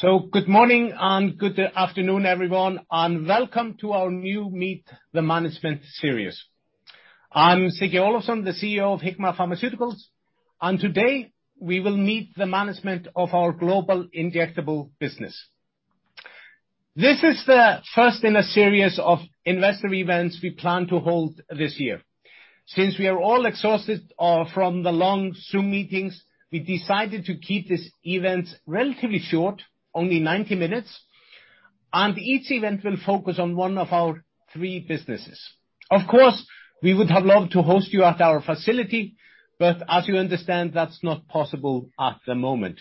Good morning and good afternoon, everyone, and welcome to our new Meet the Management series. I'm Sigurdur Olafsson, the CEO of Hikma Pharmaceuticals, and today, we will meet the management of our global injectable business. This is the first in a series of investor events we plan to hold this year. Since we are all exhausted from the long Zoom meetings, we decided to keep this event relatively short, only 90 minutes, and each event will focus on one of our three businesses. Of course, we would have loved to host you at our facility, but as you understand, that's not possible at the moment.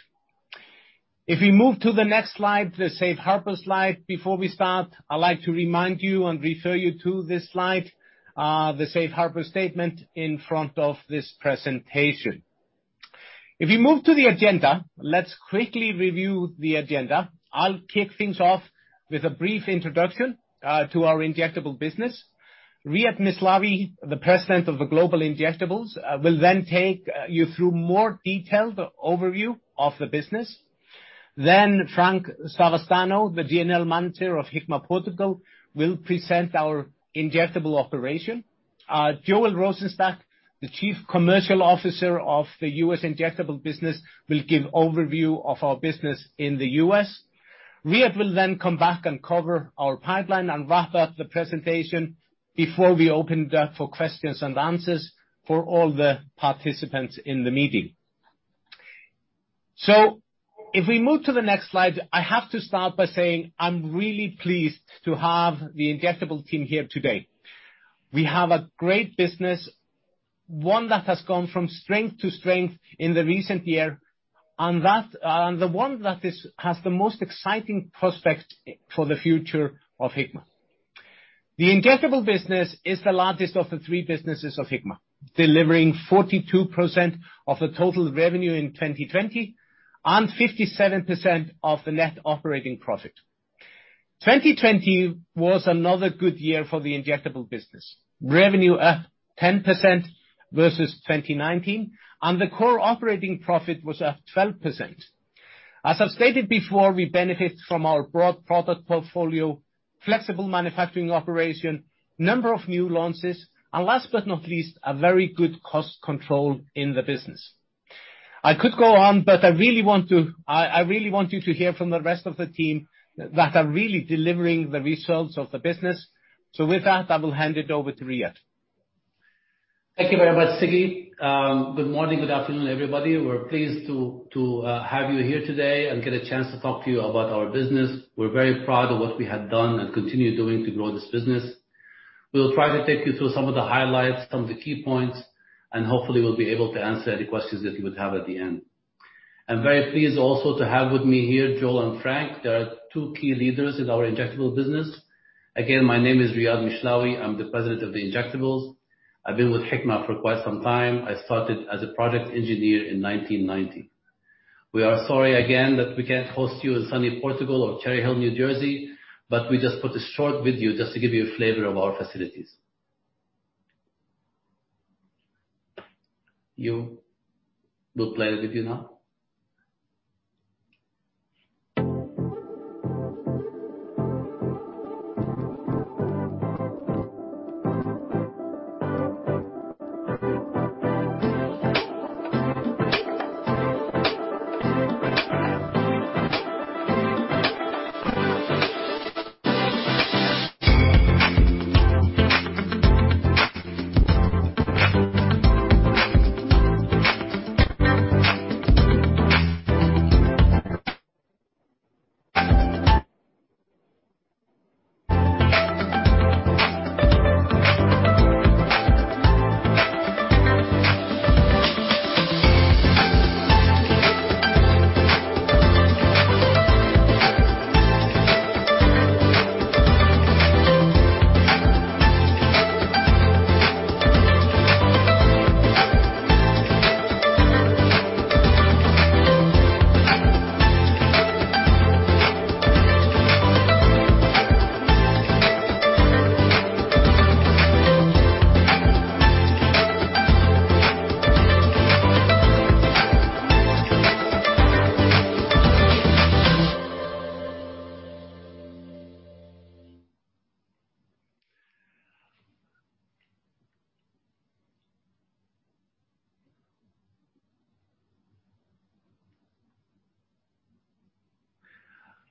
If we move to the next slide, the Safe Harbor slide, before we start, I'd like to remind you and refer you to this slide, the Safe Harbor statement in front of this presentation. If you move to the agenda, let's quickly review the agenda. I'll kick things off with a brief introduction to our injectable business. Riad Mislawi, the President of the Group Injectables, will then take you through more detailed overview of the business. Then, Frank Savastano, the General Manager of Hikma Portugal, will present our injectable operation. Joel Rosenstack, the Chief Commercial Officer of the US Injectable Business, will give overview of our business in the US Riad will then come back and cover our pipeline and wrap up the presentation before we open it up for questions and answers for all the participants in the meeting. So if we move to the next slide, I have to start by saying I'm really pleased to have the injectable team here today. We have a great business, one that has gone from strength to strength in the recent year, and the one that has the most exciting prospects for the future of Hikma. The injectable business is the largest of the three businesses of Hikma, delivering 42% of the total revenue in 2020, and 57% of the net operating profit. 2020 was another good year for the injectable business. Revenue up 10% versus 2019, and the core operating profit was up 12%. As I've stated before, we benefit from our broad product portfolio, flexible manufacturing operation, number of new launches, and last but not least, a very good cost control in the business. I could go on, but I really want to... I really want you to hear from the rest of the team that are really delivering the results of the business. So with that, I will hand it over to Riad. Thank you very much, Sigurdur. Good morning, good afternoon, everybody. We're pleased to have you here today and get a chance to talk to you about our business. We're very proud of what we have done and continue doing to grow this business. We will try to take you through some of the highlights, some of the key points, and hopefully, we'll be able to answer any questions that you would have at the end. I'm very pleased also to have with me here, Joel and Frank. They are two key leaders in our injectable business. Again, my name is Riad Mishlawi. I'm the President of the Injectables. I've been with Hikma for quite some time. I started as a project engineer in 1990. We are sorry again that we can't host you in sunny Portugal or Cherry Hill, New Jersey, but we just put a short video just to give you a flavor of our facilities. You will play the video now?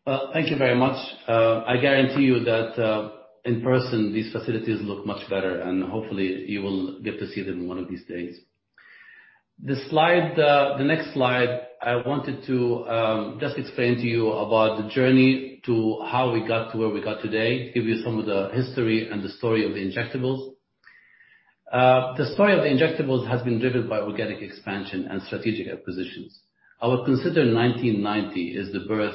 Thank you very much. I guarantee you that, in person, these facilities look much better, and hopefully, you will get to see them one of these days. The next slide, I wanted to just explain to you about the journey to how we got to where we got today, give you some of the history and the story of the injectables. The story of the injectables has been driven by organic expansion and strategic acquisitions. I would consider 1990 as the birth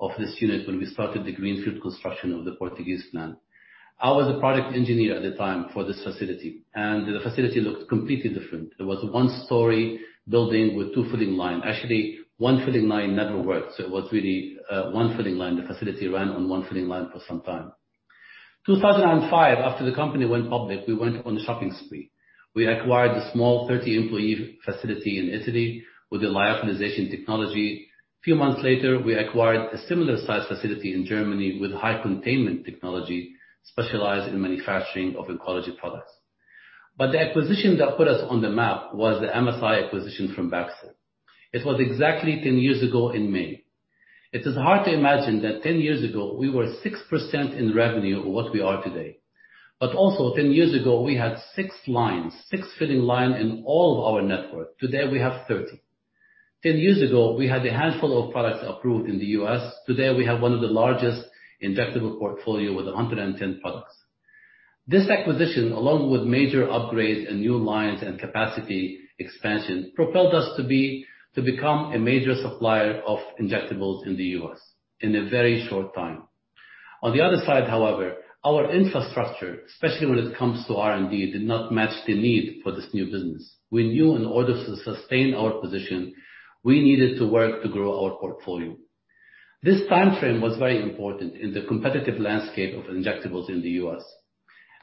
of this unit when we started the greenfield construction of the Portuguese plant. I was a product engineer at the time for this facility, and the facility looked completely different. It was a 1-story building with 2 filling lines. Actually, one filling line never worked, so it was really one filling line. The facility ran on one filling line for some time.... 2005, after the company went public, we went on a shopping spree. We acquired a small 30-employee facility in Italy with a lyophilization technology. Few months later, we acquired a similar-sized facility in Germany with high containment technology, specialized in manufacturing of oncology products. But the acquisition that put us on the map was the MSI acquisition from Baxter. It was exactly 10 years ago in May. It is hard to imagine that 10 years ago we were 6% in revenue of what we are today. But also 10 years ago, we had 6 lines, 6 filling lines in all of our network. Today, we have 30. Ten years ago, we had a handful of products approved in the US Today, we have one of the largest injectable portfolios with 110 products. This acquisition, along with major upgrades and new lines and capacity expansion, propelled us to become a major supplier of injectables in the US in a very short time. On the other side, however, our infrastructure, especially when it comes to R&D, did not match the need for this new business. We knew in order to sustain our position, we needed to work to grow our portfolio. This time frame was very important in the competitive landscape of injectables in the US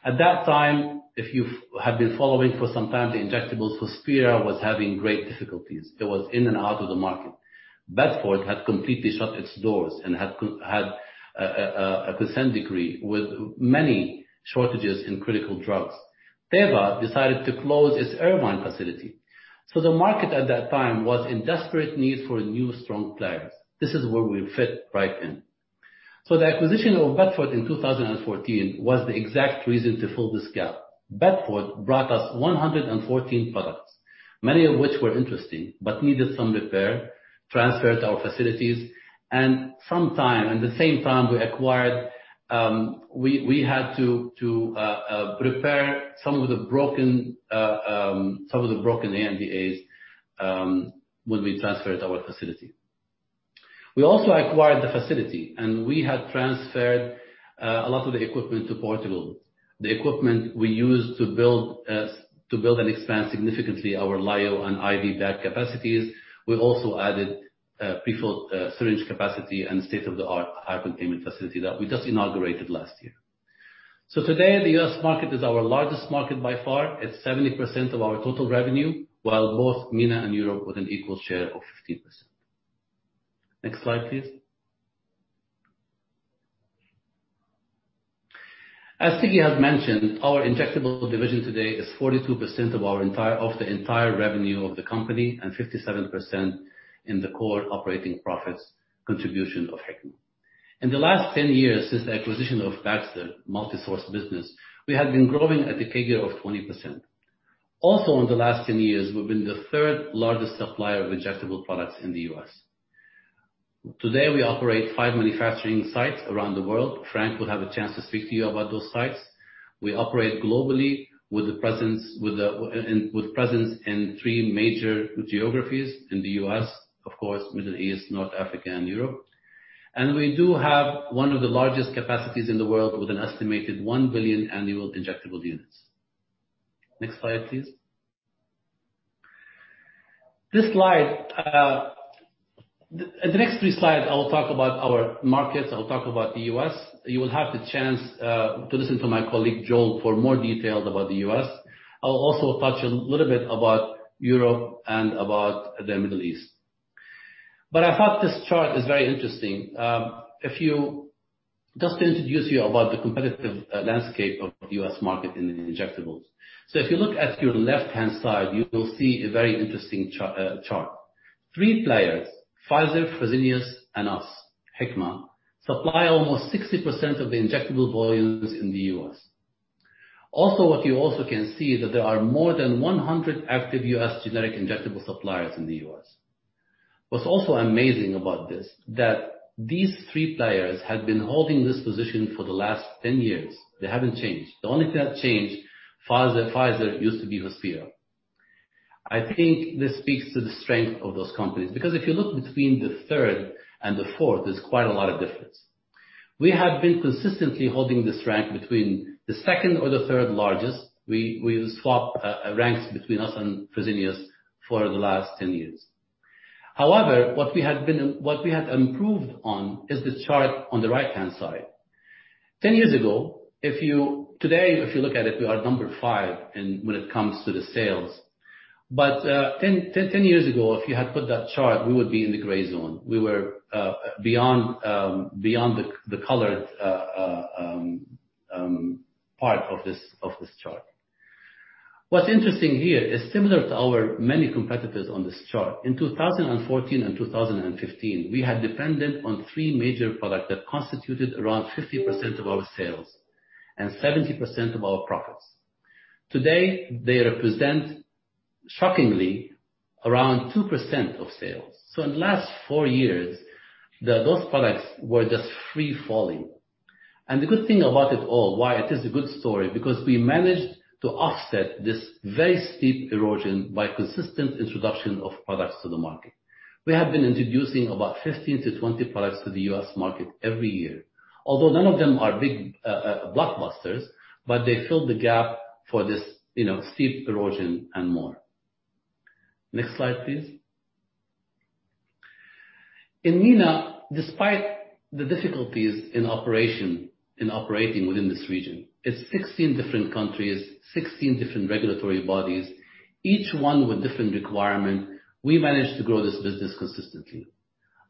At that time, if you've have been following for some time, the injectables, Hospira was having great difficulties. It was in and out of the market. Bedford had completely shut its doors and had a certain degree with many shortages in critical drugs. Teva decided to close its Irvine facility. So the market at that time was in desperate need for new, strong players. This is where we fit right in. So the acquisition of Bedford in 2014 was the exact reason to fill this gap. Bedford brought us 114 products, many of which were interesting, but needed some repair, transferred our facilities, and some time. At the same time, we had to prepare some of the broken ANDAs when we transferred our facility. We also acquired the facility, and we had transferred a lot of the equipment to Portugal. The equipment we used to build and expand significantly our lyo and IV bag capacities. We also added prefill syringe capacity and state-of-the-art high containment facility that we just inaugurated last year. So today, the US market is our largest market by far. It's 70% of our total revenue, while both MENA and Europe with an equal share of 15%. Next slide, please. As Sigurdur has mentioned, our injectable division today is 42% of our entire of the entire revenue of the company, and 57% in the core operating profits contribution of Hikma. In the last 10 years, since the acquisition of Baxter multisource business, we have been growing at a CAGR of 20%. Also, in the last 10 years, we've been the third largest supplier of injectable products in the US Today, we operate five manufacturing sites around the world. Frank will have a chance to speak to you about those sites. We operate globally with a presence in three major geographies in the US, of course, Middle East, North Africa, and Europe. And we do have one of the largest capacities in the world with an estimated 1 billion annual injectable units. Next slide, please. This slide, the next three slides, I will talk about our markets. I'll talk about the US You will have the chance to listen to my colleague, Joel, for more details about the US I'll also touch a little bit about Europe and about the Middle East. But I thought this chart is very interesting. If you just to introduce you about the competitive landscape of the US market in injectables. So if you look at your left-hand side, you will see a very interesting chart. Three players, Pfizer, Fresenius, and us, Hikma, supply almost 60% of the injectable volumes in the US Also, what you also can see that there are more than 100 active US generic injectable suppliers in the US What's also amazing about this, that these three players have been holding this position for the last 10 years. They haven't changed. The only thing that changed, Pfizer, Pfizer used to be Hospira. I think this speaks to the strength of those companies, because if you look between the third and the fourth, there's quite a lot of difference. We have been consistently holding this rank between the second or the third largest. We swap ranks between us and Fresenius for the last 10 years. However, what we have improved on is the chart on the right-hand side. 10 years ago, today if you look at it, we are number 5 when it comes to the sales. But 10 years ago, if you had put that chart, we would be in the gray zone. We were beyond the colored part of this chart. What's interesting here is similar to our many competitors on this chart. In 2014 and 2015, we were dependent on three major products that constituted around 50% of our sales and 70% of our profits. Today, they represent, shockingly, around 2% of sales. So in the last four years, those products were just free falling. And the good thing about it all, why it is a good story, because we managed to offset this very steep erosion by consistent introduction of products to the market. We have been introducing about 15-20 products to the US market every year. Although none of them are big blockbusters, but they filled the gap for this, you know, steep erosion and more. Next slide, please.... In MENA, despite the difficulties in operation, in operating within this region, it's 16 different countries, 16 different regulatory bodies, each one with different requirement, we managed to grow this business consistently.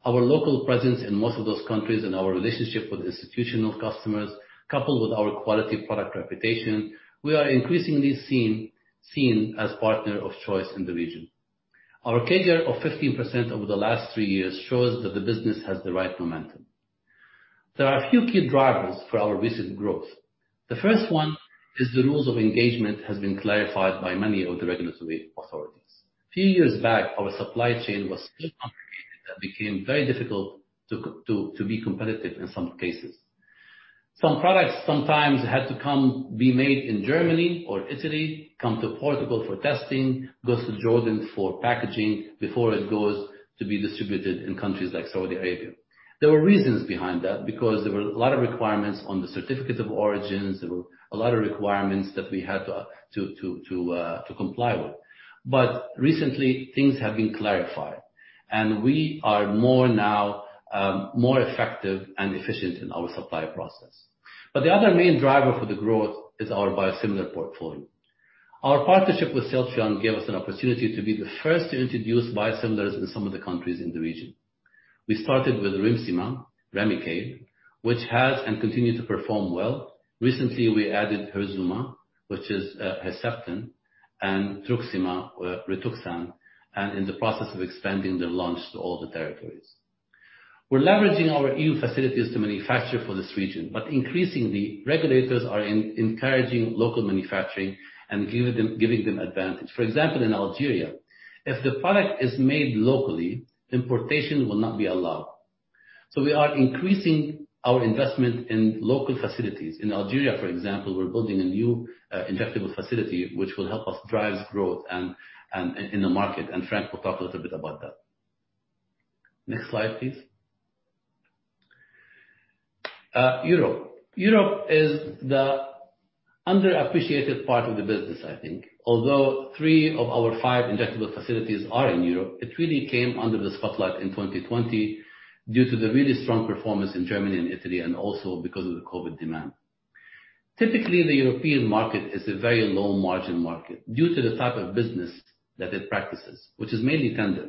Our local presence in most of those countries and our relationship with institutional customers, coupled with our quality product reputation, we are increasingly seen, seen as partner of choice in the region. Our CAGR of 15% over the last three years shows that the business has the right momentum. There are a few key drivers for our recent growth. The first one is the rules of engagement has been clarified by many of the regulatory authorities. A few years back, our supply chain was still complicated, that became very difficult to be competitive in some cases. Some products sometimes had to come, be made in Germany or Italy, come to Portugal for testing, goes to Jordan for packaging before it goes to be distributed in countries like Saudi Arabia. There were reasons behind that, because there were a lot of requirements on the certificates of origins. There were a lot of requirements that we had to comply with. But recently, things have been clarified, and we are more now more effective and efficient in our supply process. But the other main driver for the growth is our biosimilar portfolio. Our partnership with Celltrion gave us an opportunity to be the first to introduce biosimilars in some of the countries in the region. We started with Remsima, Remicade, which has and continue to perform well. Recently, we added Herzuma, which is Herceptin, and Truxima, Rituxan, and in the process of expanding the launch to all the territories. We're leveraging our EU facilities to manufacture for this region, but increasingly, regulators are encouraging local manufacturing and giving them advantage. For example, in Algeria, if the product is made locally, importation will not be allowed. So we are increasing our investment in local facilities. In Algeria, for example, we're building a new injectable facility, which will help us drive growth and in the market, and Frank will talk a little bit about that. Next slide, please. Europe. Europe is the underappreciated part of the business, I think. Although three of our five injectable facilities are in Europe, it really came under the spotlight in 2020 due to the really strong performance in Germany and Italy, and also because of the COVID demand. Typically, the European market is a very low-margin market due to the type of business that it practices, which is mainly tender.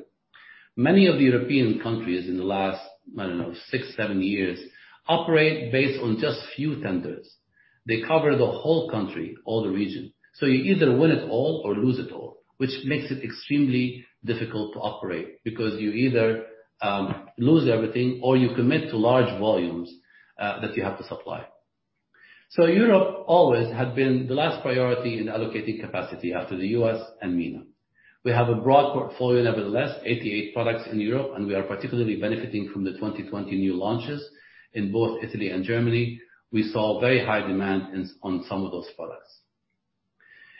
Many of the European countries in the last, I don't know, six, seven years, operate based on just few tenders. They cover the whole country, all the region, so you either win it all or lose it all, which makes it extremely difficult to operate because you either lose everything or you commit to large volumes that you have to supply. So Europe always had been the last priority in allocating capacity after the US and MENA. We have a broad portfolio, nevertheless, 88 products in Europe, and we are particularly benefiting from the 2020 new launches. In both Italy and Germany, we saw very high demand on some of those products.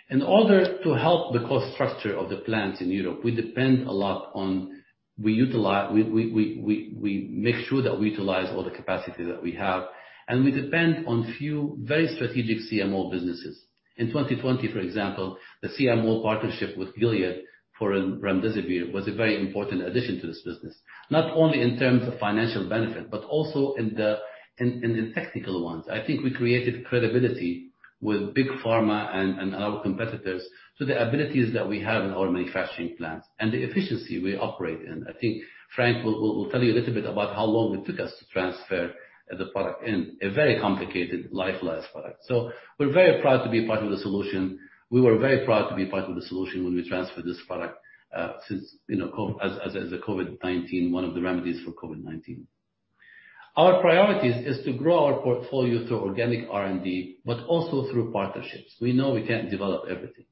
In order to help the cost structure of the plants in Europe, we depend a lot on. We utilize. We make sure that we utilize all the capacity that we have, and we depend on few very strategic CMO businesses. In 2020, for example, the CMO partnership with Gilead for Remdesivir was a very important addition to this business, not only in terms of financial benefit, but also in the technical ones. I think we created credibility with Big Pharma and our competitors, to the abilities that we have in our manufacturing plants and the efficiency we operate in. I think Frank will tell you a little bit about how long it took us to transfer the product in a very complicated life-last product. So we're very proud to be part of the solution. We were very proud to be part of the solution when we transferred this product, since, you know, as the COVID-19, one of the remedies for COVID-19. Our priorities is to grow our portfolio through organic R&D, but also through partnerships. We know we can't develop everything.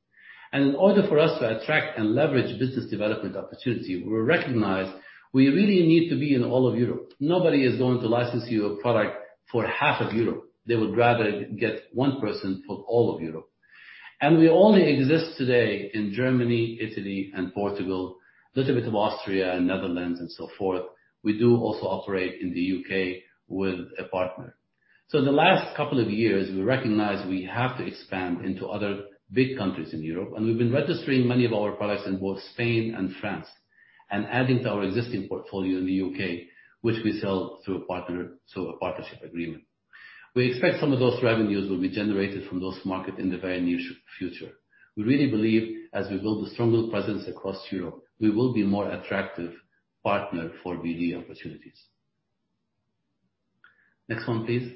In order for us to attract and leverage business development opportunity, we recognize we really need to be in all of Europe. Nobody is going to license you a product for half of Europe. They would rather get one person for all of Europe. We only exist today in Germany, Italy and Portugal, little bit of Austria and Netherlands and so forth. We do also operate in the UK with a partner. In the last couple of years, we recognize we have to expand into other big countries in Europe, and we've been registering many of our products in both Spain and France, and adding to our existing portfolio in the UK, which we sell through a partner, through a partnership agreement. We expect some of those revenues will be generated from those market in the very near future. We really believe as we build a stronger presence across Europe, we will be more attractive partner for BD opportunities. Next one, please.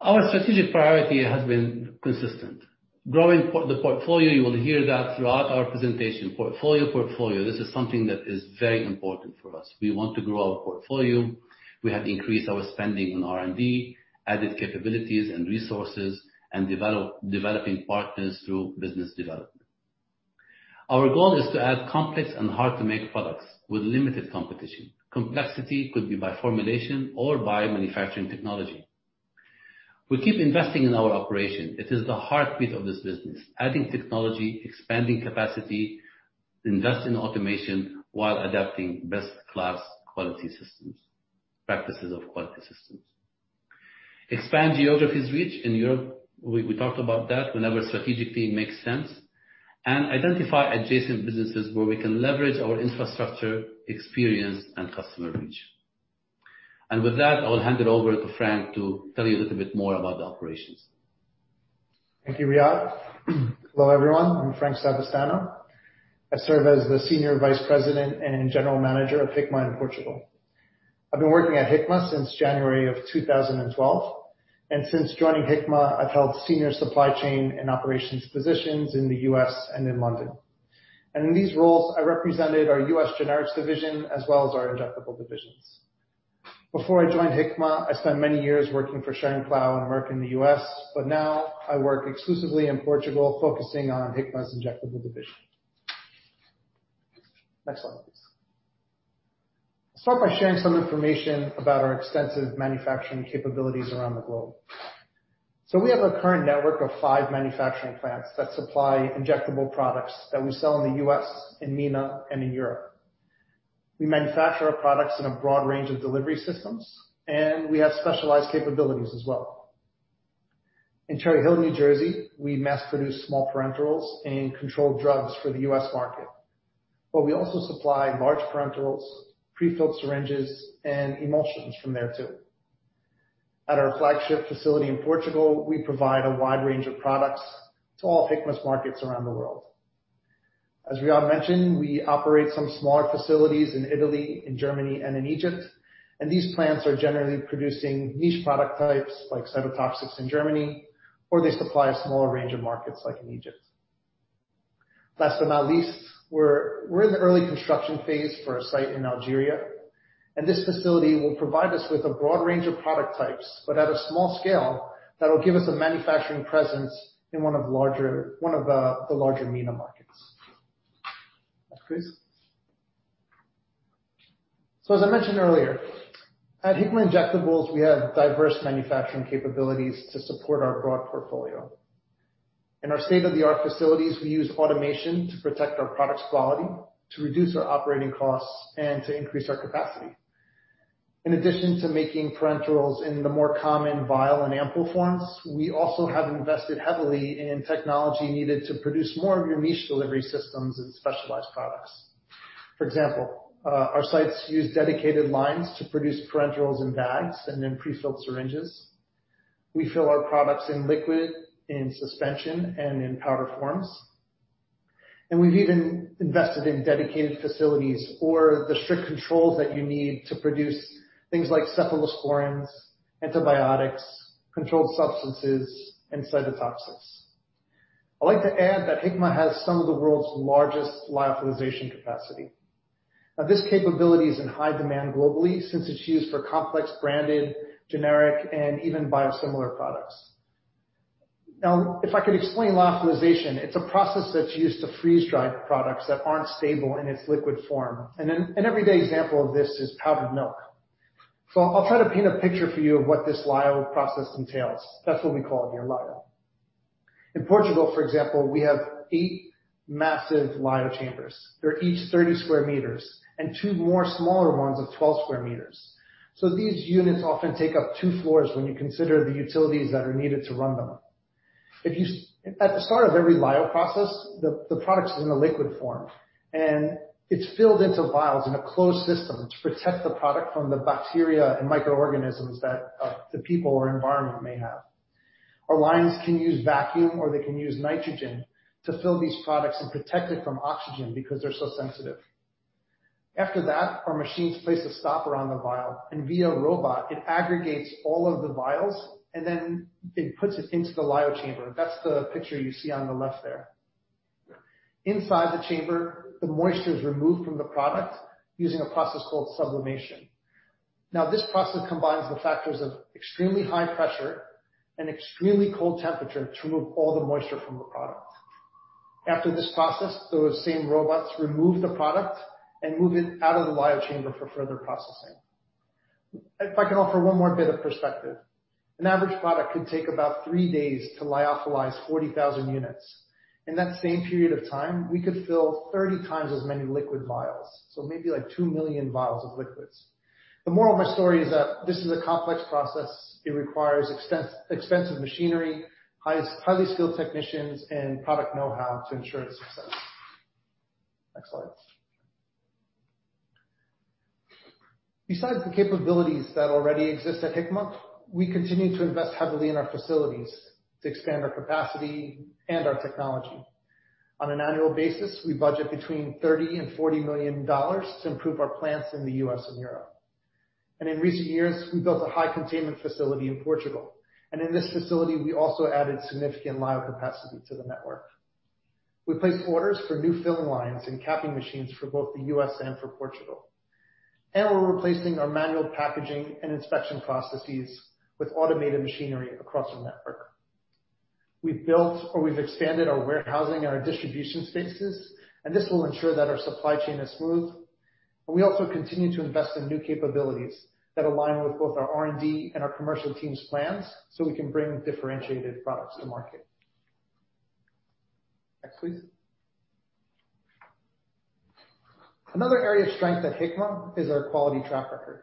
Our strategic priority has been consistent. Growing the portfolio, you will hear that throughout our presentation. Portfolio, portfolio, this is something that is very important for us. We want to grow our portfolio. We have increased our spending on R&D, added capabilities and resources, and developing partners through business development. Our goal is to add complex and hard-to-make products with limited competition. Complexity could be by formulation or by manufacturing technology. We keep investing in our operation. It is the heartbeat of this business, adding technology, expanding capacity, invest in automation, while adapting best-class quality systems, practices of quality systems. Expand geographies reach in Europe, we, we talked about that whenever strategically makes sense, and identify adjacent businesses where we can leverage our infrastructure, experience, and customer reach. With that, I will hand it over to Frank to tell you a little bit more about the operations. Thank you, Riad. Hello, everyone, I'm Frank Savastano. I serve as the Senior Vice President and General Manager of Hikma in Portugal. I've been working at Hikma since January 2012, and since joining Hikma, I've held senior supply chain and operations positions in the US and in London. In these roles, I represented our US Generics division as well as our Injectable divisions. Before I joined Hikma, I spent many years working for Schering-Plough and Merck in the US, but now I work exclusively in Portugal, focusing on Hikma's Injectable division. Next slide, please. I'll start by sharing some information about our extensive manufacturing capabilities around the globe. We have a current network of five manufacturing plants that supply injectable products that we sell in the US, in MENA, and in Europe. We manufacture our products in a broad range of delivery systems, and we have specialized capabilities as well. In Cherry Hill, New Jersey, we mass-produce small parenterals and controlled drugs for the US market, but we also supply large parenterals, prefilled syringes, and emulsions from there, too. At our flagship facility in Portugal, we provide a wide range of products to all Hikma's markets around the world. As Riad mentioned, we operate some smaller facilities in Italy, in Germany, and in Egypt, and these plants are generally producing niche product types, like cytotoxics in Germany, or they supply a smaller range of markets, like in Egypt. Last but not least, we're in the early construction phase for a site in Algeria, and this facility will provide us with a broad range of product types, but at a small scale, that will give us a manufacturing presence in one of the larger MENA markets. Next, please. So, as I mentioned earlier, at Hikma Injectables, we have diverse manufacturing capabilities to support our broad portfolio. In our state-of-the-art facilities, we use automation to protect our products' quality, to reduce our operating costs, and to increase our capacity. In addition to making parenterals in the more common vial and ampoule forms, we also have invested heavily in technology needed to produce more of your niche delivery systems and specialized products. For example, our sites use dedicated lines to produce parenterals in bags and in prefilled syringes. We fill our products in liquid, in suspension, and in powder forms. And we've even invested in dedicated facilities for the strict controls that you need to produce things like cephalosporins, antibiotics, controlled substances, and cytotoxics. I'd like to add that Hikma has some of the world's largest lyophilization capacity. Now, this capability is in high demand globally since it's used for complex, branded, generic, and even biosimilar products. Now, if I could explain lyophilization, it's a process that's used to freeze-dry products that aren't stable in its liquid form. And an everyday example of this is powdered milk. So I'll try to paint a picture for you of what this lyo process entails. That's what we call it here, lyo. In Portugal, for example, we have eight massive lyo chambers. They're each 30 square meters and two more smaller ones of 12 square meters. So these units often take up two floors when you consider the utilities that are needed to run them. At the start of every lyo process, the product is in a liquid form, and it's filled into vials in a closed system to protect the product from the bacteria and microorganisms that the people or environment may have. Our lines can use vacuum, or they can use nitrogen to fill these products and protect it from oxygen because they're so sensitive. After that, our machines place a stopper on the vial, and via a robot, it aggregates all of the vials, and then it puts it into the lyo chamber. That's the picture you see on the left there. Inside the chamber, the moisture is removed from the product using a process called sublimation. Now, this process combines the factors of extremely high pressure and extremely cold temperature to remove all the moisture from the product. After this process, those same robots remove the product and move it out of the lyo chamber for further processing. If I can offer one more bit of perspective, an average product could take about 3 days to lyophilize 40,000 units. In that same period of time, we could fill 30 times as many liquid vials, so maybe like 2 million vials of liquids. The moral of my story is that this is a complex process. It requires expensive machinery, highly skilled technicians, and product know-how to ensure its success. Next slide. Besides the capabilities that already exist at Hikma, we continue to invest heavily in our facilities to expand our capacity and our technology. On an annual basis, we budget between $30 million and $40 million to improve our plants in the US and Europe. In recent years, we built a high containment facility in Portugal, and in this facility, we also added significant lyo capacity to the network. We placed orders for new filling lines and capping machines for both the US and for Portugal. We're replacing our manual packaging and inspection processes with automated machinery across our network. We've built or we've expanded our warehousing and our distribution spaces, and this will ensure that our supply chain is smooth. We also continue to invest in new capabilities that align with both our R&D and our commercial teams' plans, so we can bring differentiated products to market. Next, please. Another area of strength at Hikma is our quality track record.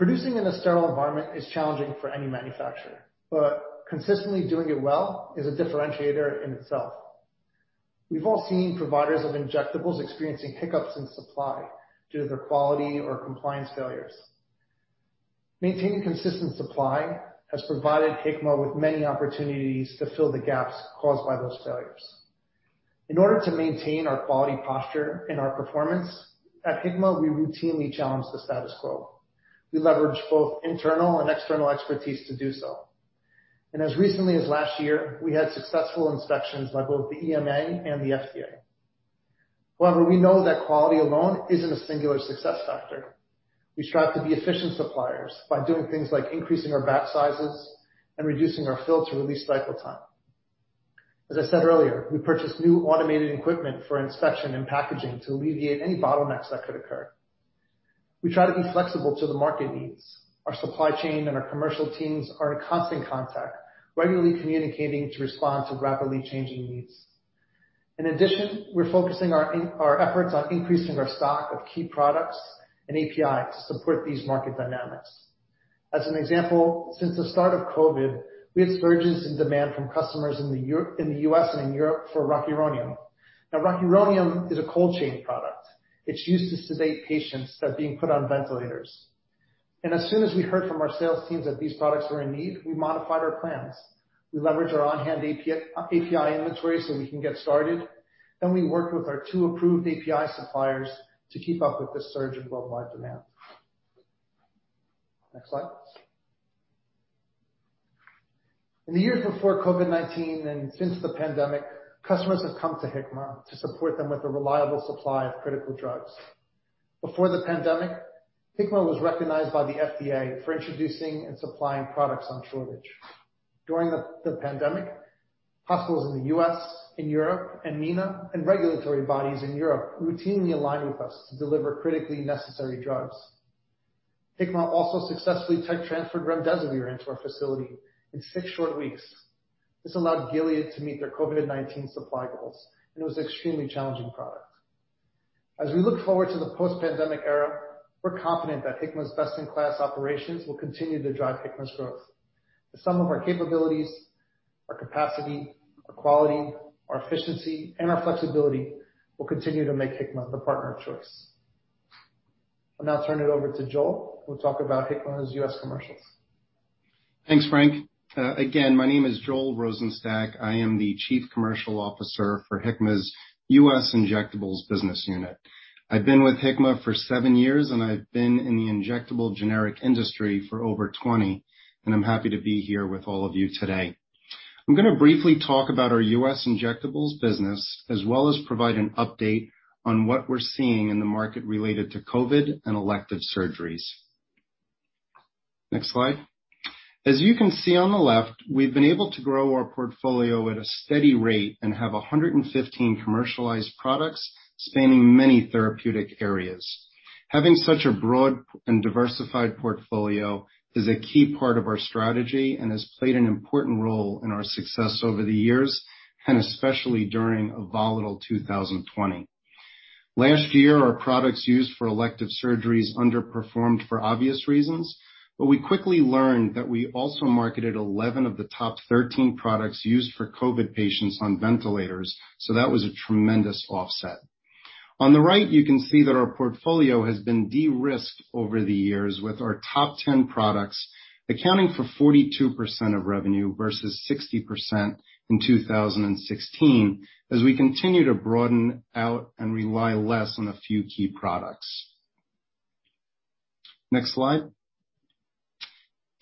Producing in a sterile environment is challenging for any manufacturer, but consistently doing it well is a differentiator in itself. We've all seen providers of injectables experiencing hiccups in supply due to their quality or compliance failures. Maintaining consistent supply has provided Hikma with many opportunities to fill the gaps caused by those failures. In order to maintain our quality posture and our performance, at Hikma, we routinely challenge the status quo. We leverage both internal and external expertise to do so. As recently as last year, we had successful inspections by both the EMA and the FDA. However, we know that quality alone isn't a singular success factor. We strive to be efficient suppliers by doing things like increasing our batch sizes and reducing our filter release cycle time. As I said earlier, we purchased new automated equipment for inspection and packaging to alleviate any bottlenecks that could occur. We try to be flexible to the market needs. Our supply chain and our commercial teams are in constant contact, regularly communicating to respond to rapidly changing needs. In addition, we're focusing our efforts on increasing our stock of key products and APIs to support these market dynamics. As an example, since the start of COVID, we had surges in demand from customers in the US and in Europe for Rocuronium. Now, Rocuronium is a cold chain product. It's used to sedate patients that are being put on ventilators. And as soon as we heard from our sales teams that these products were in need, we modified our plans. We leveraged our on-hand API inventory so we can get started, then we worked with our two approved API suppliers to keep up with the surge in worldwide demand. Next slide. In the years before COVID-19 and since the pandemic, customers have come to Hikma to support them with a reliable supply of critical drugs. Before the pandemic, Hikma was recognized by the FDA for introducing and supplying products on shortage. During the pandemic, hospitals in the US, in Europe, and MENA, and regulatory bodies in Europe routinely aligned with us to deliver critically necessary drugs. Hikma also successfully tech transferred remdesivir into our facility in six short weeks. This allowed Gilead to meet their COVID-19 supply goals, and it was an extremely challenging product. As we look forward to the post-pandemic era, we're confident that Hikma's best-in-class operations will continue to drive Hikma's growth. The sum of our capabilities, our capacity, our quality, our efficiency, and our flexibility will continue to make Hikma the partner of choice. I'll now turn it over to Joel, who will talk about Hikma's US commercial. Thanks, Frank. Again, my name is Joel Rosenstock. I am the Chief Commercial Officer for Hikma's US Injectables business unit. I've been with Hikma for seven years, and I've been in the injectable generic industry for over 20, and I'm happy to be here with all of you today. I'm going to briefly talk about our US injectables business, as well as provide an update on what we're seeing in the market related to COVID and elective surgeries. Next slide. As you can see on the left, we've been able to grow our portfolio at a steady rate and have 115 commercialized products spanning many therapeutic areas. Having such a broad and diversified portfolio is a key part of our strategy and has played an important role in our success over the years, and especially during a volatile 2020. Last year, our products used for elective surgeries underperformed for obvious reasons, but we quickly learned that we also marketed 11 of the top 13 products used for COVID patients on ventilators, so that was a tremendous offset. On the right, you can see that our portfolio has been de-risked over the years, with our top 10 products accounting for 42% of revenue versus 60% in 2016, as we continue to broaden out and rely less on a few key products. Next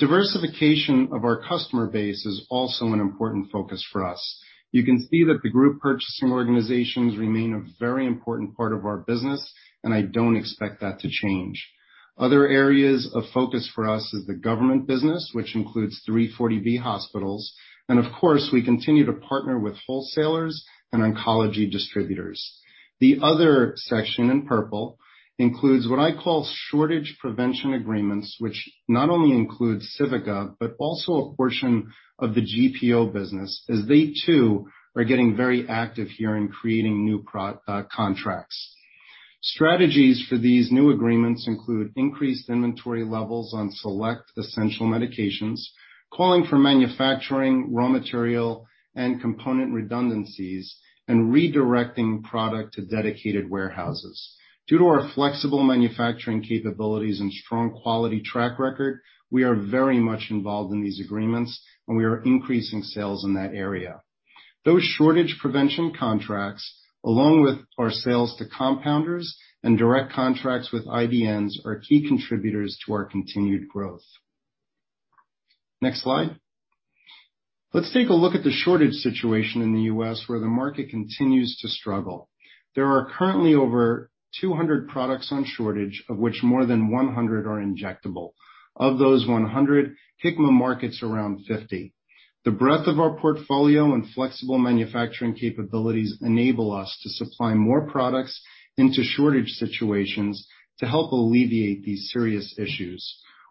slide. Diversification of our customer base is also an important focus for us. You can see that the group purchasing organizations remain a very important part of our business, and I don't expect that to change. Other areas of focus for us is the government business, which includes 340B hospitals, and of course, we continue to partner with wholesalers and oncology distributors. The other section, in purple, includes what I call shortage prevention agreements, which not only includes Civica, but also a portion of the GPO business, as they too are getting very active here in creating new proactive contracts. Strategies for these new agreements include increased inventory levels on select essential medications, calling for manufacturing, raw material, and component redundancies, and redirecting product to dedicated warehouses. Due to our flexible manufacturing capabilities and strong quality track record, we are very much involved in these agreements, and we are increasing sales in that area. Those shortage prevention contracts, along with our sales to compounders and direct contracts with IDNs, are key contributors to our continued growth. Next slide. Let's take a look at the shortage situation in the US, where the market continues to struggle. There are currently over 200 products on shortage, of which more than 100 are injectable. Of those 100, Hikma markets around 50. The breadth of our portfolio and flexible manufacturing capabilities enable us to supply more products into shortage situations to help alleviate these serious issues.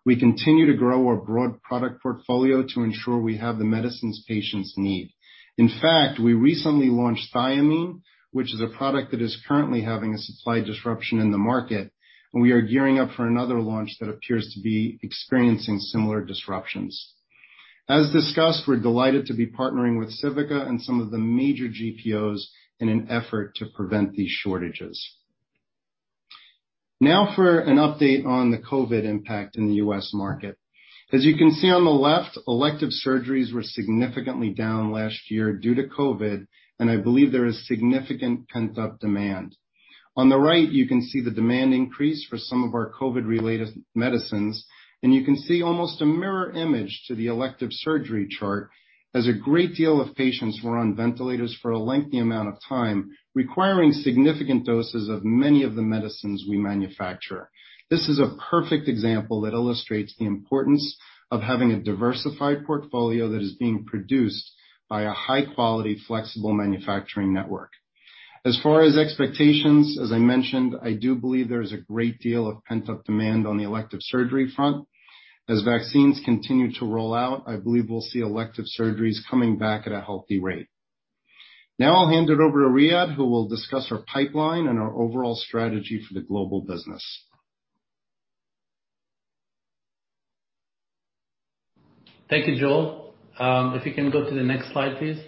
We continue to grow our broad product portfolio to ensure we have the medicines patients need. In fact, we recently launched Thiamine, which is a product that is currently having a supply disruption in the market, and we are gearing up for another launch that appears to be experiencing similar disruptions. As discussed, we're delighted to be partnering with Civica and some of the major GPOs in an effort to prevent these shortages. Now for an update on the COVID impact in the US market. As you can see on the left, elective surgeries were significantly down last year due to COVID, and I believe there is significant pent-up demand. On the right, you can see the demand increase for some of our COVID-related medicines, and you can see almost a mirror image to the elective surgery chart, as a great deal of patients were on ventilators for a lengthy amount of time, requiring significant doses of many of the medicines we manufacture. This is a perfect example that illustrates the importance of having a diversified portfolio that is being produced by a high-quality, flexible manufacturing network. As far as expectations, as I mentioned, I do believe there is a great deal of pent-up demand on the elective surgery front. As vaccines continue to roll out, I believe we'll see elective surgeries coming back at a healthy rate. Now I'll hand it over to Riad, who will discuss our pipeline and our overall strategy for the global business. Thank you, Joel. If you can go to the next slide, please.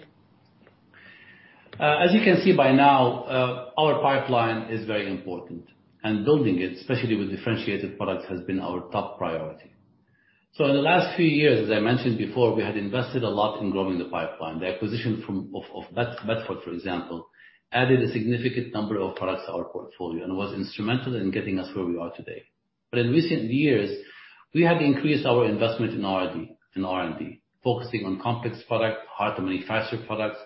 As you can see by now, our pipeline is very important, and building it, especially with differentiated products, has been our top priority. So in the last few years, as I mentioned before, we had invested a lot in growing the pipeline. The acquisition of Bedford, for example, added a significant number of products to our portfolio and was instrumental in getting us where we are today. But in recent years, we have increased our investment in R&D, focusing on complex products, hard-to-manufacture products,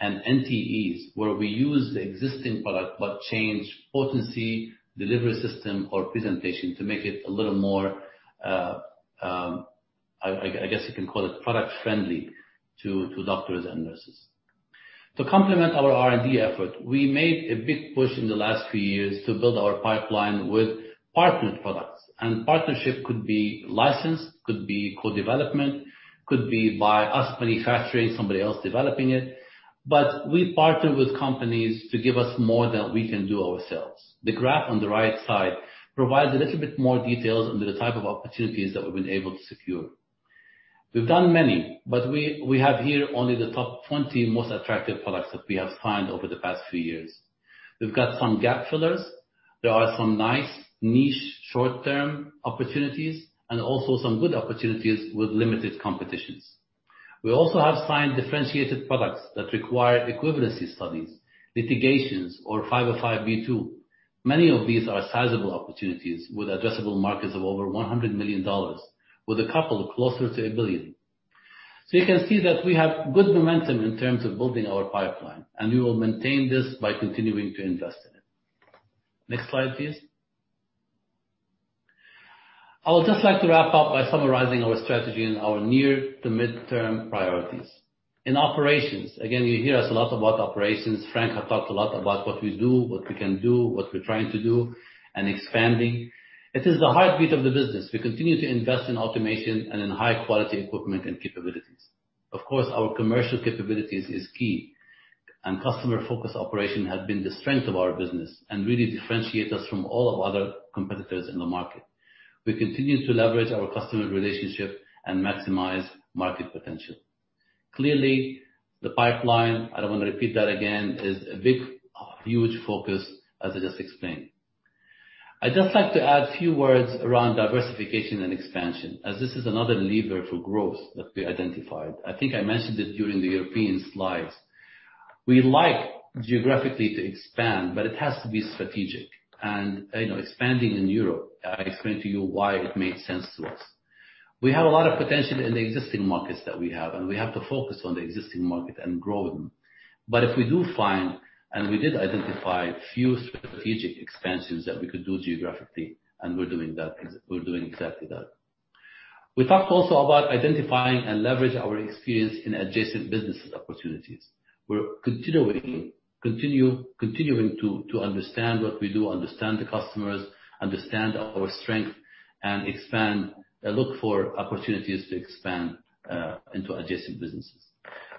and NTEs, where we use the existing product, but change potency, delivery system, or presentation to make it a little more, I guess you can call it product-friendly to doctors and nurses. To complement our R&D effort, we made a big push in the last few years to build our pipeline with partnered products. Partnership could be licensed, could be co-development, could be by us manufacturing, somebody else developing it. But we partner with companies to give us more than we can do ourselves. The graph on the right side provides a little bit more details into the type of opportunities that we've been able to secure. We've done many, but we have here only the top 20 most attractive products that we have signed over the past few years. We've got some gap fillers, there are some nice niche short-term opportunities, and also some good opportunities with limited competitions. We also have signed differentiated products that require equivalency studies, litigations, or 505(b)(2). Many of these are sizable opportunities with addressable markets of over $100 million, with a couple closer to $1 billion. So you can see that we have good momentum in terms of building our pipeline, and we will maintain this by continuing to invest in it. Next slide, please. I would just like to wrap up by summarizing our strategy and our near to midterm priorities. In operations, again, you hear us a lot about operations. Frank has talked a lot about what we do, what we can do, what we're trying to do, and expanding. It is the heartbeat of the business. We continue to invest in automation and in high quality equipment and capabilities. Of course, our commercial capabilities is key, and customer-focused operation has been the strength of our business and really differentiates us from all of other competitors in the market. We continue to leverage our customer relationship and maximize market potential. Clearly, the pipeline, I don't want to repeat that again, is a big, huge focus, as I just explained. I'd just like to add a few words around diversification and expansion, as this is another lever for growth that we identified. I think I mentioned it during the European slides. We like geographically to expand, but it has to be strategic. And, you know, expanding in Europe, I explained to you why it made sense to us. We have a lot of potential in the existing markets that we have, and we have to focus on the existing market and grow them. But if we do find, and we did identify, few strategic expansions that we could do geographically, and we're doing that, 'cause we're doing exactly that. We talked also about identifying and leverage our experience in adjacent businesses opportunities. We're continuing to understand what we do, understand the customers, understand our strength and expand, look for opportunities to expand into adjacent businesses.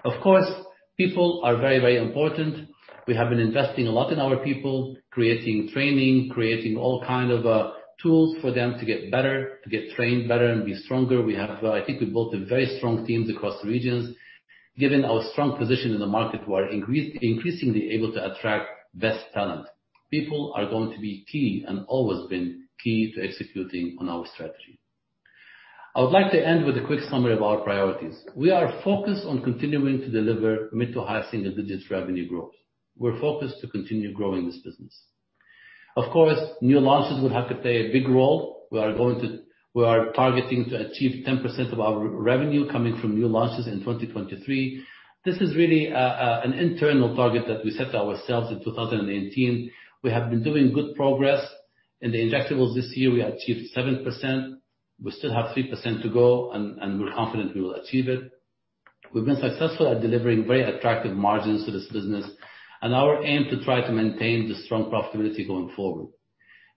Of course, people are very, very important. We have been investing a lot in our people, creating training, creating all kind of tools for them to get better, to get trained better and be stronger. We have, I think we built a very strong teams across the regions. Given our strong position in the market, we are increasingly able to attract best talent. People are going to be key and always been key to executing on our strategy. I would like to end with a quick summary of our priorities. We are focused on continuing to deliver mid to high single-digit revenue growth. We're focused to continue growing this business. Of course, new launches will have to play a big role. We are going to—we are targeting to achieve 10% of our revenue coming from new launches in 2023. This is really an internal target that we set ourselves in 2018. We have been doing good progress. In the injectables this year, we achieved 7%. We still have 3% to go, and we're confident we will achieve it. We've been successful at delivering very attractive margins to this business, and our aim to try to maintain the strong profitability going forward.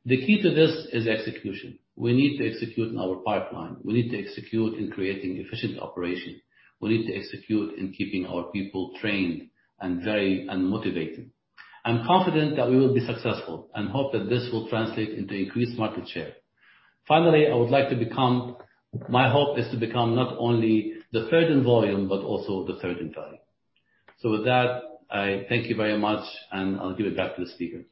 The key to this is execution. We need to execute in our pipeline. We need to execute in creating efficient operation. We need to execute in keeping our people trained and very and motivated. I'm confident that we will be successful, and hope that this will translate into increased market share. Finally, my hope is to become not only the third in volume, but also the third in value. So with that, I thank you very much, and I'll give it back to the speaker.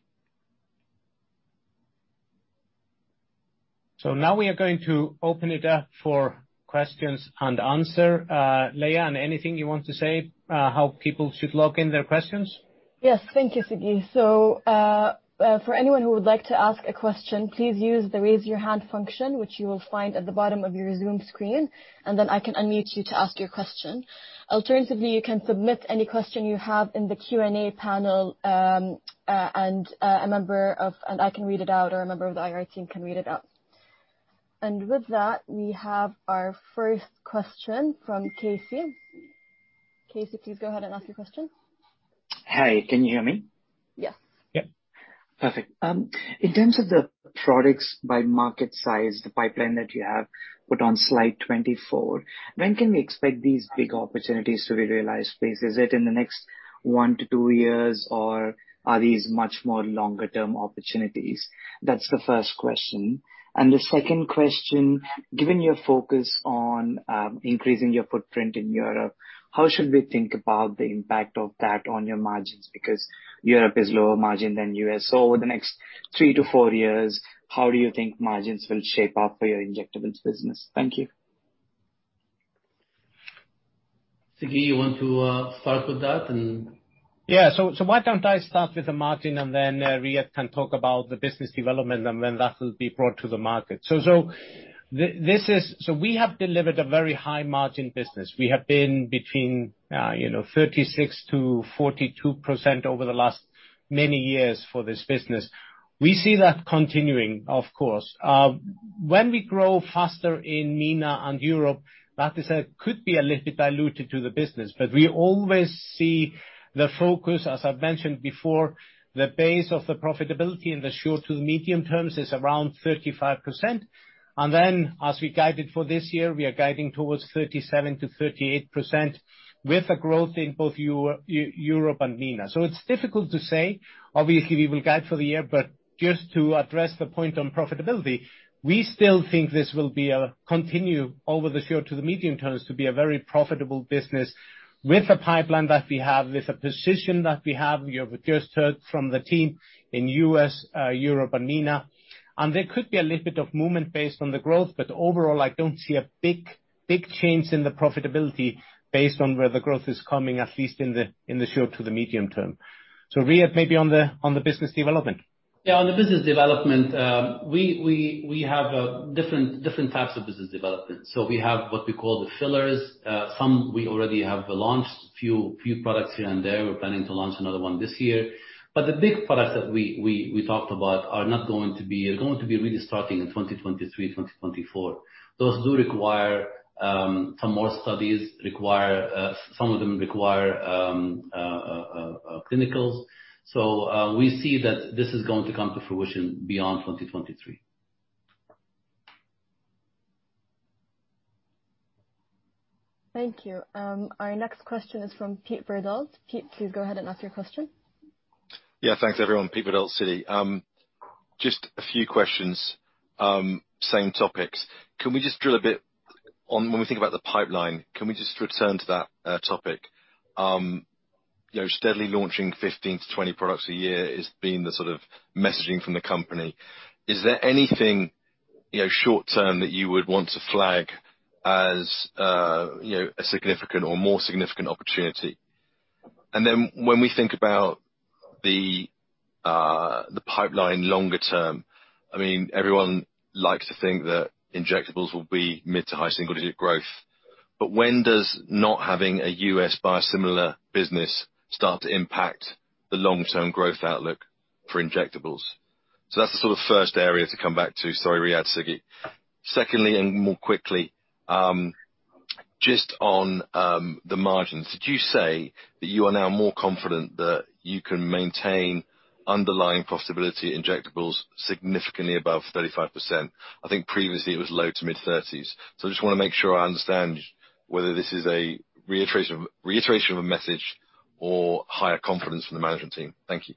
Now we are going to open it up for questions and answer. Leah, anything you want to say, how people should log in their questions? Yes, thank you, Sigurdur. So, for anyone who would like to ask a question, please use the Raise Your Hand function, which you will find at the bottom of your Zoom screen, and then I can unmute you to ask your question. Alternatively, you can submit any question you have in the Q&A panel, and I can read it out, or a member of the IR team can read it out. And with that, we have our first question from Casey. Casey, please go ahead and ask your question. Hi, can you hear me? Yes. Yep. Perfect. In terms of the products by market size, the pipeline that you have put on slide 24, when can we expect these big opportunities to be realized, please? Is it in the next 1-2 years, or are these much more longer-term opportunities? That's the first question. And the second question: given your focus on, increasing your footprint in Europe, how should we think about the impact of that on your margins? Because Europe is lower margin than US Over the next 3-4 years, how do you think margins will shape up for your injectables business? Thank you. Sigurdur, you want to start with that and- Yeah, why don't I start with the margin, and then Riad can talk about the business development, and then that will be brought to the market. So we have delivered a very high margin business. We have been between, you know, 36%-42% over the last many years for this business. We see that continuing, of course. When we grow faster in MENA and Europe, that is, could be a little bit diluted to the business. But we always see the focus, as I've mentioned before, the base of the profitability in the short to medium terms is around 35%. And then, as we guided for this year, we are guiding towards 37%-38% with a growth in both Europe and MENA. So it's difficult to say. Obviously, we will guide for the year, but just to address the point on profitability, we still think this will be a continue over the short to the medium terms to be a very profitable business with the pipeline that we have, with the position that we have. You have just heard from the team in US, Europe and MENA, and there could be a little bit of movement based on the growth, but overall, I don't see a big, big change in the profitability based on where the growth is coming, at least in the, in the short to the medium term. So, Riad, maybe on the, on the business development. Yeah, on the business development, we have different types of business development. So we have what we call the fillers. Some we already have launched, a few products here and there. We're planning to launch another one this year. But the big products that we talked about are not going to be... Are going to be really starting in 2023, 2024. Those do require some more studies, require some of them require clinicals. So we see that this is going to come to fruition beyond 2023. Thank you. Our next question is from Pete Verdult. Pete, please go ahead and ask your question. Yeah, thanks, everyone. Peter Verdult, Citi. Just a few questions, same topics. Can we just drill a bit on when we think about the pipeline? Can we just return to that, topic? You know, steadily launching 15-20 products a year has been the sort of messaging from the company. Is there anything, you know, short term that you would want to flag as, you know, a significant or more significant opportunity? And then when we think about the, the pipeline longer term, I mean, everyone likes to think that injectables will be mid- to high single-digit growth, but when does not having a US biosimilar business start to impact the long-term growth outlook for injectables? So that's the sort of first area to come back to. Sorry, Riad, Sigurdur. Secondly, and more quickly, just on the margins, did you say that you are now more confident that you can maintain underlying profitability, injectables significantly above 35%? I think previously it was low-to-mid 30s%. So I just want to make sure I understand whether this is a reiteration, reiteration of a message or higher confidence from the management team. Thank you.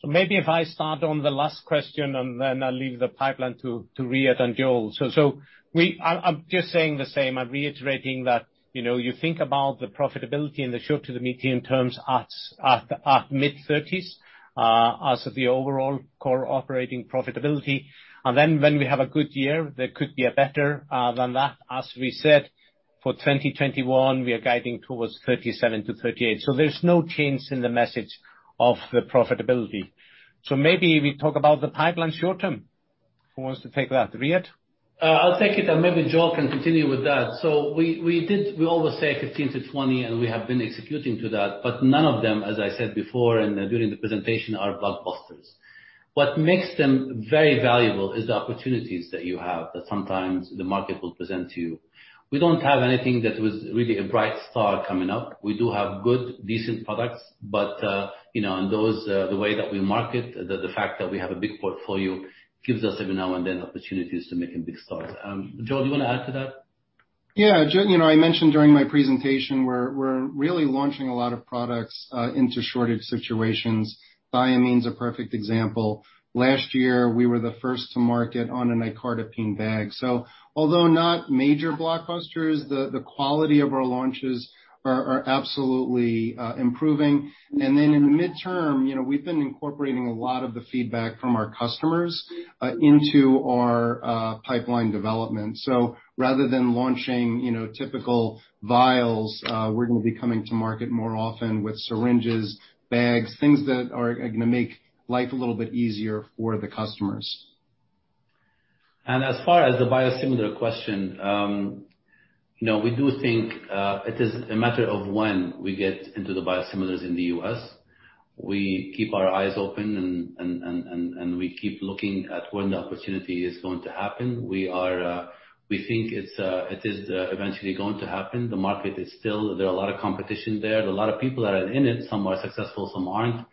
So maybe if I start on the last question, and then I'll leave the pipeline to Riad and Joel. So we... I'm just saying the same. I'm reiterating that, you know, you think about the profitability in the short- to medium-term at mid-30s% as the overall core operating profitability. And then when we have a good year, there could be better than that. As we said, for 2021, we are guiding towards 37%-38%. So there's no change in the message of the profitability. So maybe we talk about the pipeline short-term. Who wants to take that? Riad? I'll take it, and maybe Joel can continue with that. So we did. We always say 15-20, and we have been executing to that, but none of them, as I said before and during the presentation, are blockbusters. What makes them very valuable is the opportunities that you have, that sometimes the market will present to you. We don't have anything that was really a bright star coming up. We do have good, decent products, but, you know, and those, the way that we market, the fact that we have a big portfolio gives us every now and then, opportunities to making big stars. Joel, do you want to add to that?... Yeah, you know, I mentioned during my presentation, we're really launching a lot of products into shortage situations. Thiamine is a perfect example. Last year, we were the first to market on a Nicardipine bag. So although not major blockbusters, the quality of our launches are absolutely improving. And then in the midterm, you know, we've been incorporating a lot of the feedback from our customers into our pipeline development. So rather than launching, you know, typical vials, we're gonna be coming to market more often with syringes, bags, things that are gonna make life a little bit easier for the customers. As far as the biosimilar question, you know, we do think, you know, it is a matter of when we get into the biosimilars in the US We keep our eyes open and we keep looking at when the opportunity is going to happen. We think it is eventually going to happen. The market is still there. There are a lot of competition there. There are a lot of people that are in it. Some are successful, some aren't.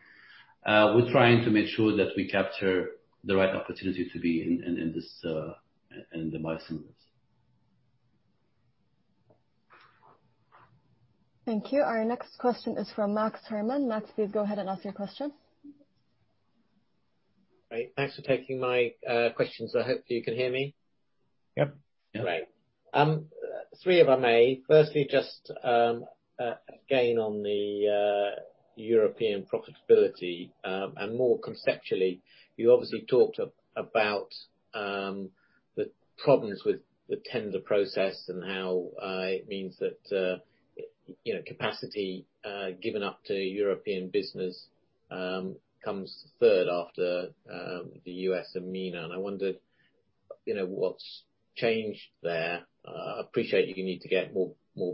We're trying to make sure that we capture the right opportunity to be in this, in the biosimilars. Thank you. Our next question is from Max Herrmann. Max, please go ahead and ask your question. Great. Thanks for taking my questions. I hope you can hear me. Yep. Great. Three, if I may. Firstly, just again on the European profitability, and more conceptually, you obviously talked about the problems with the tender process and how it means that you know, capacity given up to European business comes third after the US and MENA. And I wondered, you know, what's changed there? I appreciate you need to get more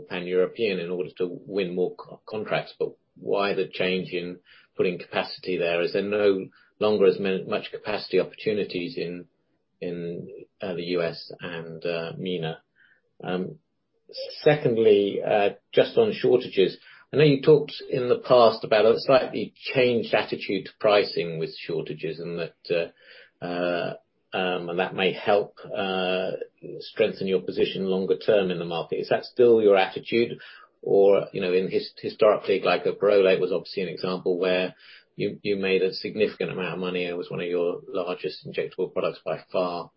Pan-European in order to win more contracts, but why the change in putting capacity there? Is there no longer as much capacity opportunities in the US and MENA? Secondly, just on shortages. I know you talked in the past about a slightly changed attitude to pricing with shortages and that and that may help strengthen your position longer term in the market. Is that still your attitude? Or, you know, historically, like, Oprelve was obviously an example where you made a significant amount of money, and it was one of your largest injectable products by far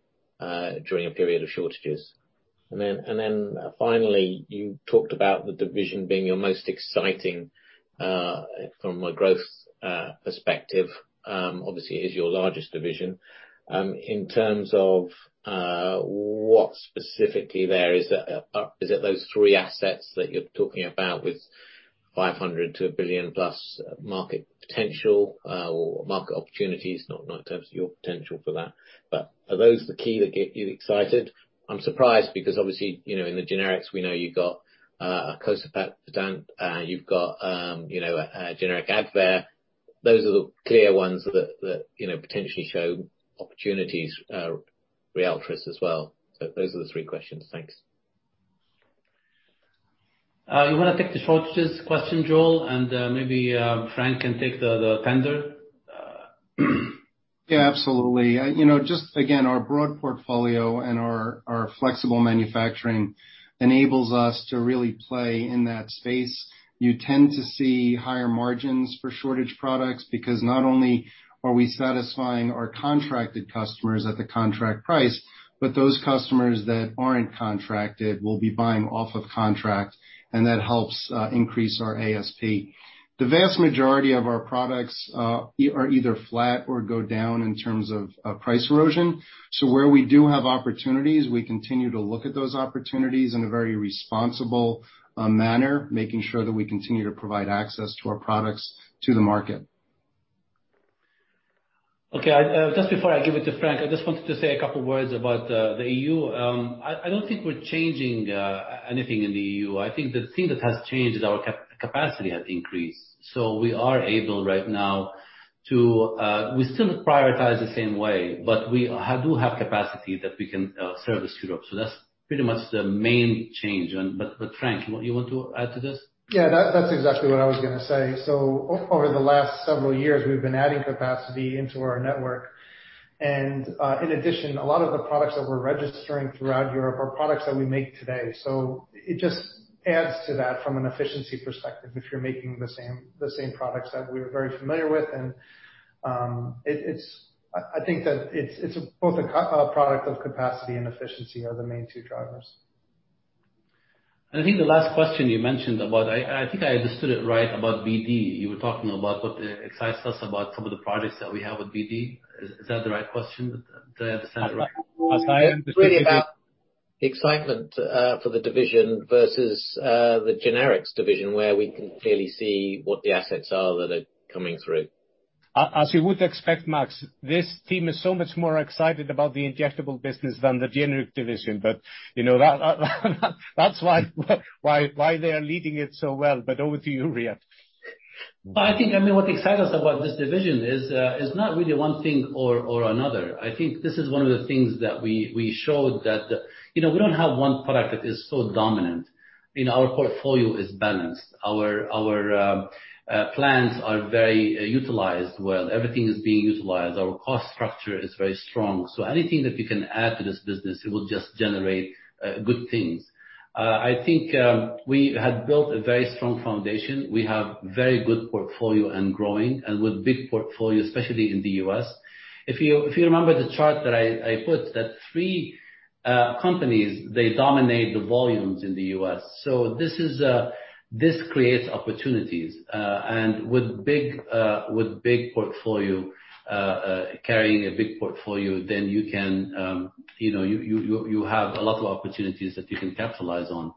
during a period of shortages. And then finally, you talked about the division being your most exciting from a growth perspective, obviously, it is your largest division. In terms of what specifically there is, is it those three assets that you're talking about with $500 million-$1 billion-plus market potential or market opportunities? Not in terms of your potential for that, but are those the key that get you excited? I'm surprised, because obviously, you know, in the generics, we know you've got icosapent, you've got, you know, a generic Advair. Those are the clear ones that you know potentially show opportunities, Riad's as well. So those are the three questions. Thanks. You want to take the shortages question, Joel, and maybe Frank can take the tender? Yeah, absolutely. You know, just again, our broad portfolio and our flexible manufacturing enables us to really play in that space. You tend to see higher margins for shortage products, because not only are we satisfying our contracted customers at the contract price, but those customers that aren't contracted will be buying off of contract, and that helps increase our ASP. The vast majority of our products are either flat or go down in terms of price erosion. So where we do have opportunities, we continue to look at those opportunities in a very responsible manner, making sure that we continue to provide access to our products to the market. Okay, just before I give it to Frank, I just wanted to say a couple words about the EU. I don't think we're changing anything in the EU. I think the thing that has changed is our capacity has increased, so we are able right now to... We still prioritize the same way, but we do have capacity that we can serve Europe. So that's pretty much the main change. But, Frank, what you want to add to this? Yeah, that, that's exactly what I was gonna say. So over the last several years, we've been adding capacity into our network. And in addition, a lot of the products that we're registering throughout Europe are products that we make today. So it just adds to that from an efficiency perspective, if you're making the same products that we're very familiar with. And it's both a product of capacity and efficiency are the main two drivers. I think the last question you mentioned about, I, I think I understood it right, about BD. You were talking about what excites us about some of the products that we have with BD. Is, is that the right question? Did I understand it right? As I am- It's really about the excitement for the division versus the generics division, where we can clearly see what the assets are that are coming through. As you would expect, Max, this team is so much more excited about the injectable business than the generic division, but, you know, that's why they are leading it so well. But over to you, Riad. But I think, I mean, what excites us about this division is not really one thing or another. I think this is one of the things that we showed that, you know, we don't have one product that is so dominant. You know, our portfolio is balanced. Our plans are very utilized well. Everything is being utilized. Our cost structure is very strong. So anything that we can add to this business, it will just generate good things. I think we have built a very strong foundation. We have very good portfolio and growing, and with big portfolio, especially in the US. If you remember the chart that I put, that three companies, they dominate the volumes in the US. So this creates opportunities. With big portfolio, carrying a big portfolio, then you can, you know, you have a lot of opportunities that you can capitalize on.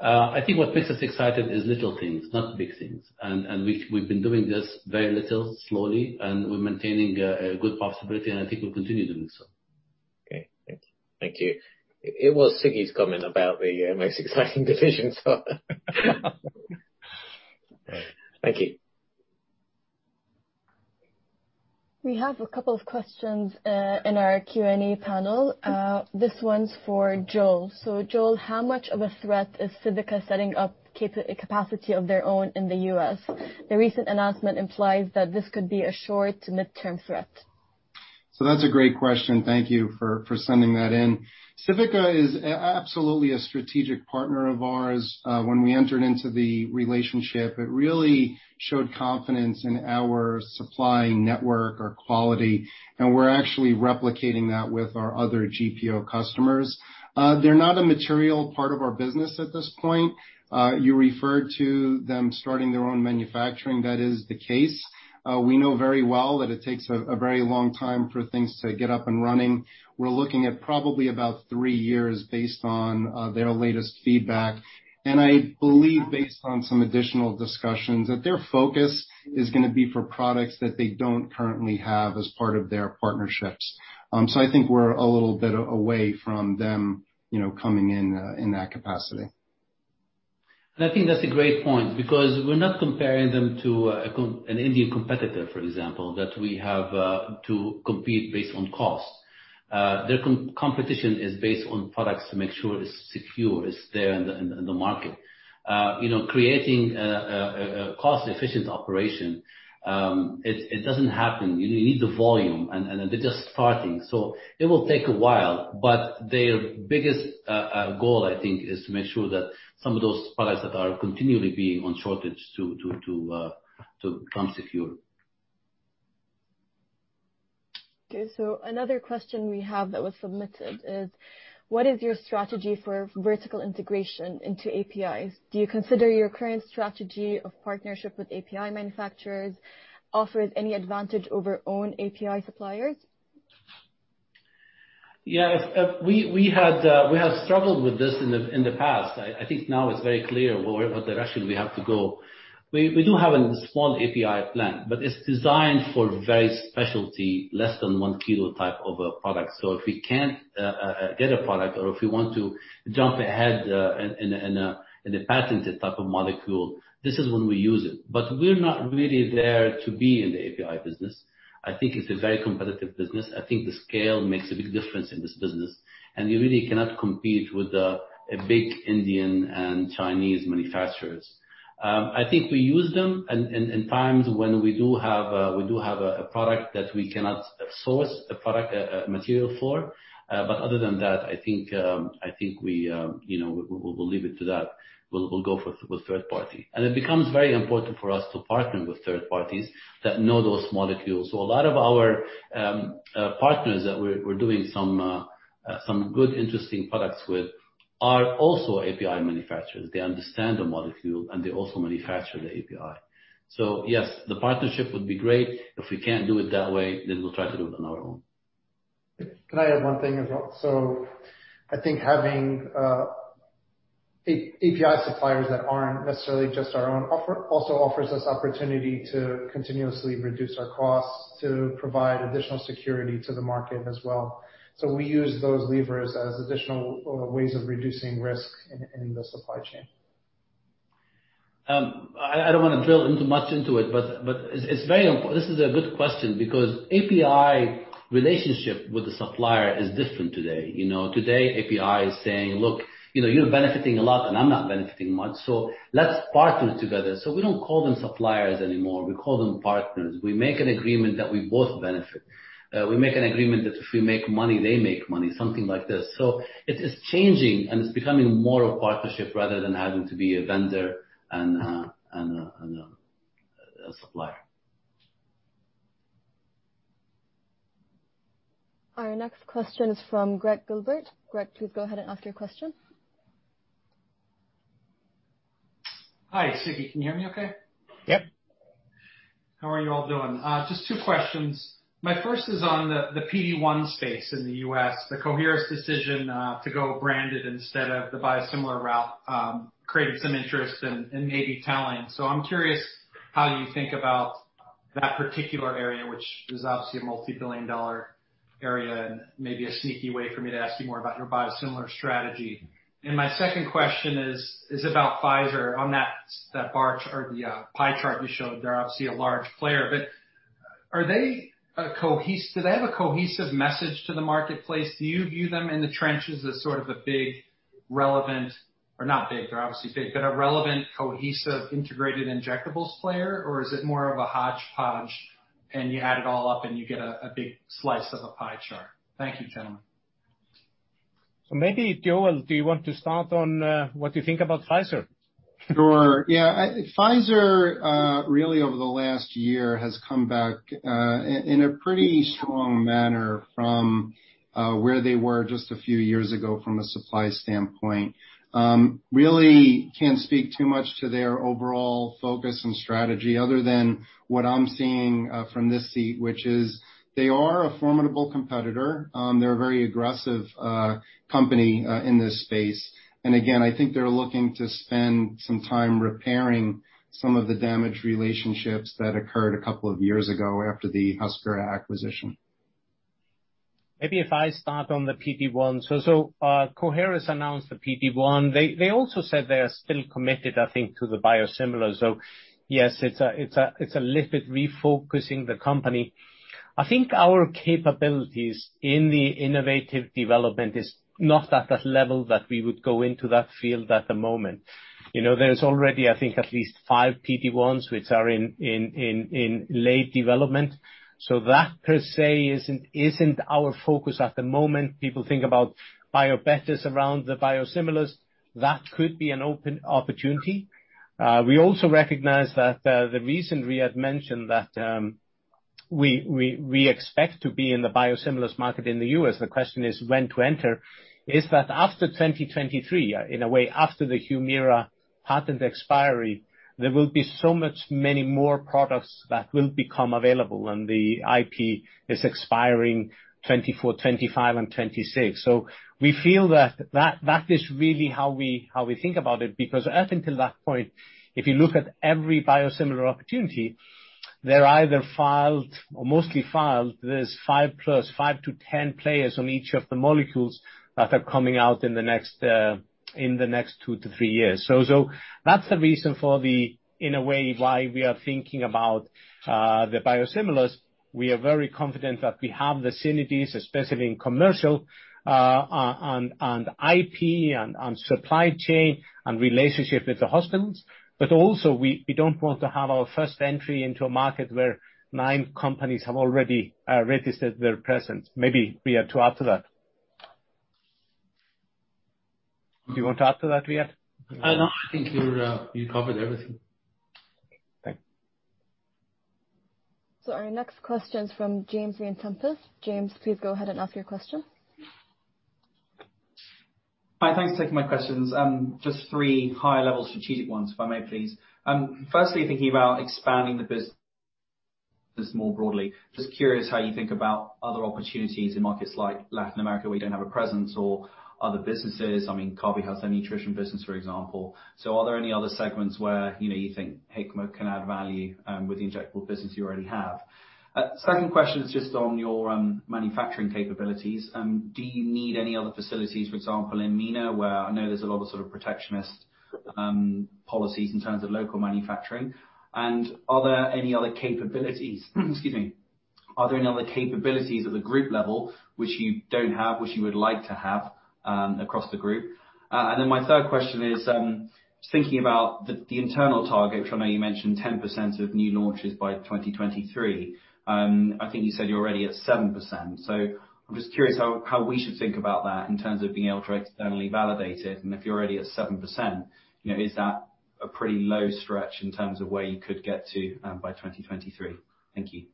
I think what makes us excited is little things, not big things. And we've been doing this very little, slowly, and we're maintaining a good possibility, and I think we'll continue doing so. Okay, thank you. Thank you. It was Sigurdur's comment about the most exciting division, so, thank you. We have a couple of questions in our Q&A panel. This one's for Joel. So Joel, how much of a threat is Civica setting up capacity of their own in the US? The recent announcement implies that this could be a short to midterm threat. So that's a great question. Thank you for sending that in. Civica is absolutely a strategic partner of ours. When we entered into the relationship, it really showed confidence in our supply network, our quality, and we're actually replicating that with our other GPO customers. They're not a material part of our business at this point. You referred to them starting their own manufacturing. That is the case. We know very well that it takes a very long time for things to get up and running. We're looking at probably about three years based on their latest feedback. I believe based on some additional discussions, that their focus is gonna be for products that they don't currently have as part of their partnerships. I think we're a little bit away from them, you know, coming in in that capacity. I think that's a great point, because we're not comparing them to an Indian competitor, for example, that we have to compete based on cost. Their competition is based on products to make sure it's secure, it's there in the market. You know, creating a cost-efficient operation, it doesn't happen. You need the volume, and they're just starting, so it will take a while, but their biggest goal, I think, is to make sure that some of those products that are continually being on shortage to secure. Okay, so another question we have that was submitted is: What is your strategy for vertical integration into APIs? Do you consider your current strategy of partnership with API manufacturers, offers any advantage over own API suppliers? Yeah. If we had, we have struggled with this in the past. I think now it's very clear where the direction we have to go. We do have a small API plan, but it's designed for very specialty, less than 1 kilo type of a product. So if we can't get a product, or if we want to jump ahead in a patented type of molecule, this is when we use it. But we're not really there to be in the API business. I think it's a very competitive business. I think the scale makes a big difference in this business, and you really cannot compete with a big Indian and Chinese manufacturers. I think we use them in times when we do have a product that we cannot source a product material for. But other than that, I think I think we, you know, we will leave it to that. We'll go with third party. And it becomes very important for us to partner with third parties that know those molecules. So a lot of our partners that we're doing some good, interesting products with, are also API manufacturers. They understand the molecule, and they also manufacture the API. So yes, the partnership would be great. If we can't do it that way, then we'll try to do it on our own. Can I add one thing as well? So I think having API suppliers that aren't necessarily just our own also offers us opportunity to continuously reduce our costs, to provide additional security to the market as well. So we use those levers as additional ways of reducing risk in the supply chain. I don't wanna drill into much into it, but it's very important. This is a good question, because API relationship with the supplier is different today. You know, today, API is saying: Look, you know, you're benefiting a lot, and I'm not benefiting much, so let's partner together. So we don't call them suppliers anymore, we call them partners. We make an agreement that we both benefit. We make an agreement that if we make money, they make money, something like this. So it is changing, and it's becoming more a partnership rather than having to be a vendor and a supplier. Our next question is from Greg Gilbert. Greg, please go ahead and ask your question. Hi, Sigurdur, can you hear me okay? Yep. How are you all doing? Just two questions. My first is on the, the PD-1 space in the US. The Coherus decision to go branded instead of the biosimilar route created some interest and, and may be telling. So I'm curious how you think about that particular area, which is obviously a multi-billion-dollar area, and maybe a sneaky way for me to ask you more about your biosimilar strategy. And my second question is about Pfizer. On that, that bar or the pie chart you showed, they're obviously a large player, but do they have a cohesive message to the marketplace? Do you view them in the trenches as sort of a big, relevant, or not big, they're obviously big, but a relevant, cohesive, integrated injectables player? Or is it more of a hodgepodge, and you add it all up, and you get a big slice of a pie chart? Thank you, gentlemen. Maybe, Joel, do you want to start on what you think about Pfizer? Sure. Yeah, Pfizer really, over the last year, has come back in a pretty strong manner from where they were just a few years ago from a supply standpoint. Really can't speak too much to their overall focus and strategy other than what I'm seeing from this seat, which is they are a formidable competitor. They're a very aggressive company in this space. And again, I think they're looking to spend some time repairing some of the damaged relationships that occurred a couple of years ago after the Hospira acquisition. Maybe if I start on the PD-1. So, so, Coherus announced the PD-1. They, they also said they are still committed, I think, to the biosimilar. So yes, it's a little bit refocusing the company. I think our capabilities in the innovative development is not at that level that we would go into that field at the moment. You know, there is already, I think, at least five PD-1s which are in late development. So that, per se, isn't our focus at the moment. People think about biobetters around the biosimilars. That could be an open opportunity. We also recognize that, the reason Riad mentioned that, we expect to be in the biosimilars market in the US, the question is when to enter, is that after 2023, in a way, after the Humira patent expiry, there will be so much many more products that will become available, and the IP is expiring 2024, 2025 and 2026. So we feel that that is really how we, how we think about it, because up until that point, if you look at every biosimilar opportunity, they're either filed or mostly filed. There's 5+, 5-10 players on each of the molecules that are coming out in the next, in the next 2-3 years. So, so that's the reason for the, in a way, why we are thinking about, the biosimilars. We are very confident that we have the synergies, especially in commercial, on IP and on supply chain and relationship with the hospitals. But also, we don't want to have our first entry into a market where nine companies have already registered their presence. Maybe we are too after that. Do you want to add to that, Riad? No, I think you covered everything. Thank you. So our next question is from James Vane-Tempest. James, please go ahead and ask your question. Hi, thanks for taking my questions. Just three high-level strategic ones, if I may please. Firstly, thinking about expanding the business more broadly. Just curious how you think about other opportunities in markets like Latin America, where you don't have a presence or other businesses. I mean, Kabi has a nutrition business, for example. So are there any other segments where, you know, you think, hey, can add value, with the injectable business you already have? Second question is just on your manufacturing capabilities. Do you need any other facilities, for example, in MENA, where I know there's a lot of sort of protectionist policies in terms of local manufacturing? And are there any other capabilities, excuse me, are there any other capabilities at the group level which you don't have, which you would like to have, across the group? And then my third question is, thinking about the internal target, which I know you mentioned 10% of new launches by 2023. I think you said you're already at 7%. So I'm just curious how we should think about that in terms of being able to externally validate it, and if you're already at 7%, you know, is that a pretty low stretch in terms of where you could get to by 2023? Thank you.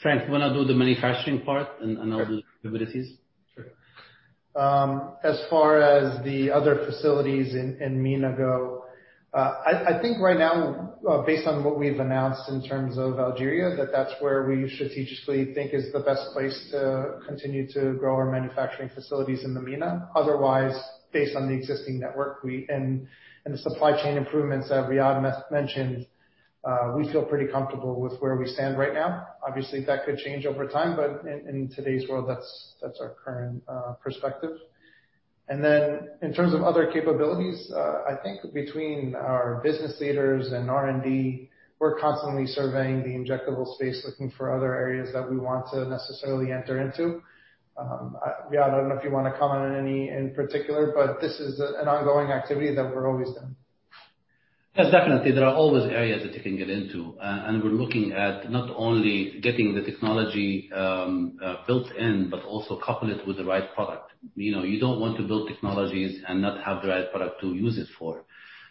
Frank, wanna do the manufacturing part, and I'll do the capabilities? Sure. As far as the other facilities in MENA go, I think right now, based on what we've announced in terms of Algeria, that's where we strategically think is the best place to continue to grow our manufacturing facilities in the MENA. Otherwise, based on the existing network we and the supply chain improvements that Riad mentioned, we feel pretty comfortable with where we stand right now. Obviously, that could change over time, but in today's world, that's our current perspective. And then in terms of other capabilities, I think between our business leaders and R&D, we're constantly surveying the injectable space, looking for other areas that we want to necessarily enter into. Riad, I don't know if you want to comment on any in particular, but this is an ongoing activity that we're always in. Yes, definitely, there are always areas that you can get into, and we're looking at not only getting the technology built in, but also couple it with the right product. You know, you don't want to build technologies and not have the right product to use it for.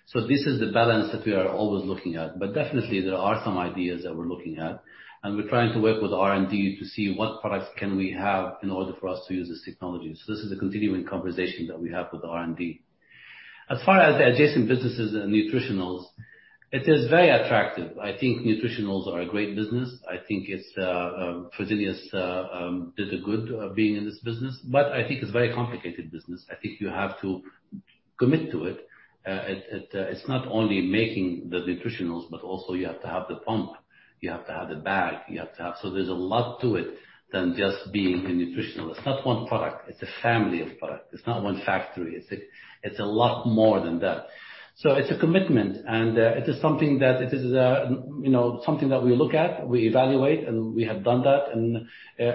So this is the balance that we are always looking at, but definitely there are some ideas that we're looking at, and we're trying to work with R&D to see what products can we have in order for us to use this technology. So this is a continuing conversation that we have with R&D. As far as the adjacent businesses and nutritionals, it is very attractive. I think nutritionals are a great business. I think it's Fresenius did a good being in this business, but I think it's very complicated business. I think you have to commit to it. It’s not only making the nutritionals, but also you have to have the pump, you have to have the bag, you have to have— So there’s a lot to it than just being a nutritional. It’s not one product, it’s a family of products. It’s not one factory, it’s a lot more than that. So it’s a commitment, and it is something that, you know, something that we look at, we evaluate, and we have done that, and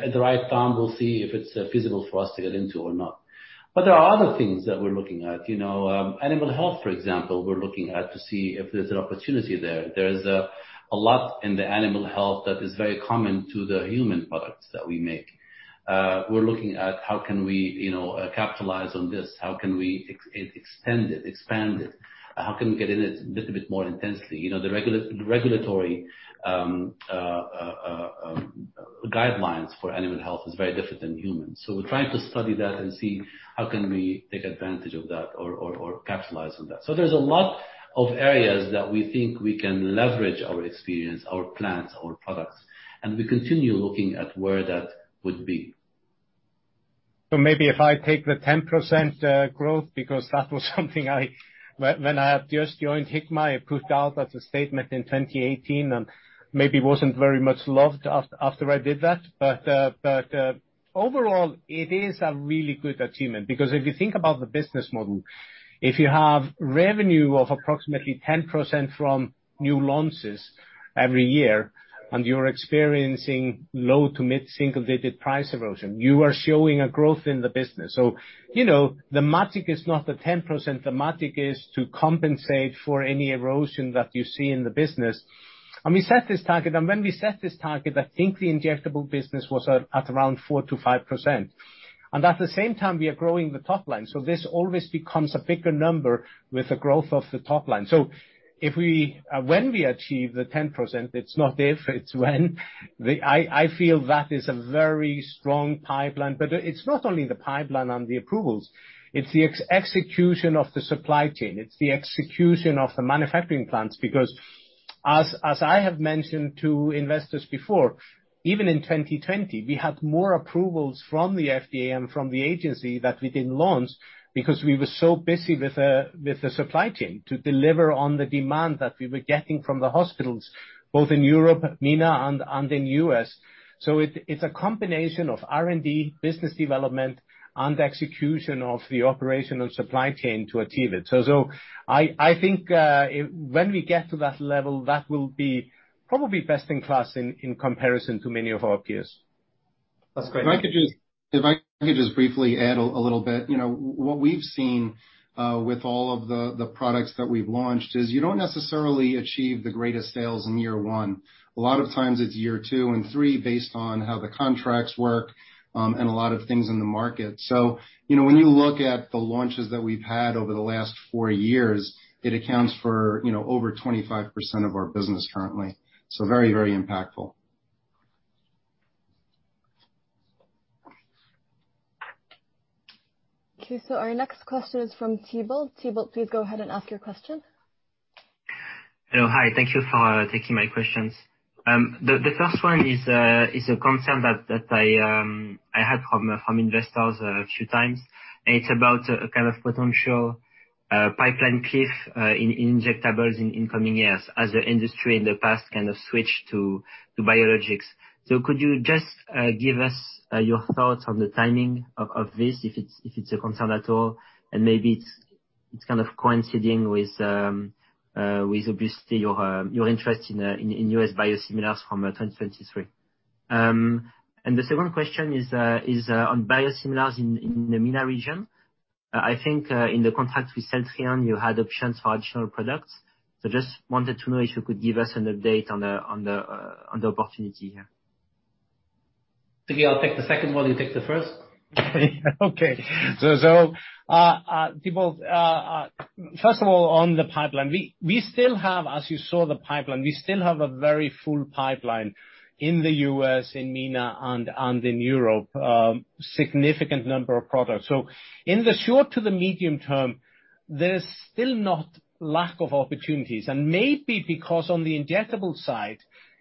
at the right time, we’ll see if it’s feasible for us to get into or not. But there are other things that we’re looking at. You know, animal health, for example, we’re looking at to see if there’s an opportunity there. There's a lot in the animal health that is very common to the human products that we make. We're looking at how can we, you know, capitalize on this? How can we extend it, expand it? How can we get in it a little bit more intensely? You know, the regulatory guidelines for animal health is very different than humans. So we're trying to study that and see how can we take advantage of that or capitalize on that. So there's a lot of areas that we think we can leverage our experience, our plants, our products, and we continue looking at where that would be. So maybe if I take the 10% growth, because that was something I, when I had just joined Hikma, I put out as a statement in 2018, and maybe wasn't very much loved after I did that. But overall, it is a really good achievement because if you think about the business model, if you have revenue of approximately 10% from new launches every year, and you're experiencing low to mid single-digit price erosion, you are showing a growth in the business. So, you know, the magic is not the 10%. The magic is to compensate for any erosion that you see in the business. And we set this target, and when we set this target, I think the injectable business was at around 4%-5%. At the same time, we are growing the top line, so this always becomes a bigger number with the growth of the top line. So if we... When we achieve the 10%, it's not if, it's when. I feel that is a very strong pipeline, but it's not only the pipeline and the approvals, it's the execution of the supply chain. It's the execution of the manufacturing plants, because as I have mentioned to investors before, even in 2020, we had more approvals from the FDA and from the agency that we didn't launch because we were so busy with the supply chain to deliver on the demand that we were getting from the hospitals, both in Europe, MENA, and in US So it's, it's a combination of R&D, business development, and execution of the operational supply chain to achieve it. So, so I, I think, when we get to that level, that will be probably best in class in, in comparison to many of our peers. That's great. If I could just briefly add a little bit. You know, what we've seen with all of the products that we've launched is you don't necessarily achieve the greatest sales in year one. A lot of times it's year two and three, based on how the contracts work, and a lot of things in the market. So, you know, when you look at the launches that we've had over the last four years, it accounts for, you know, over 25% of our business currently. So very, very impactful. Okay. So our next question is from Thibault. Thibault, please go ahead and ask your question. Hello, hi. Thank you for taking my questions. The first one is a concern that I had from investors a few times. It's about a kind of potential pipeline cliff in injectables in incoming years, as the industry in the past kind of switched to biologics. So could you just give us your thoughts on the timing of this, if it's a concern at all, and maybe it's kind of coinciding with obviously your interest in US biosimilars from 2023. And the second question is on biosimilars in the MENA region. I think in the contract with Celltrion, you had options for additional products. Just wanted to know if you could give us an update on the opportunity here? Maybe I'll take the second one, you take the first? Okay. So, Thibault, first of all, on the pipeline, we still have, as you saw the pipeline, we still have a very full pipeline in the US, in MENA, and in Europe, significant number of products. So in the short to the medium term, there's still not lack of opportunities, and maybe because on the injectable side,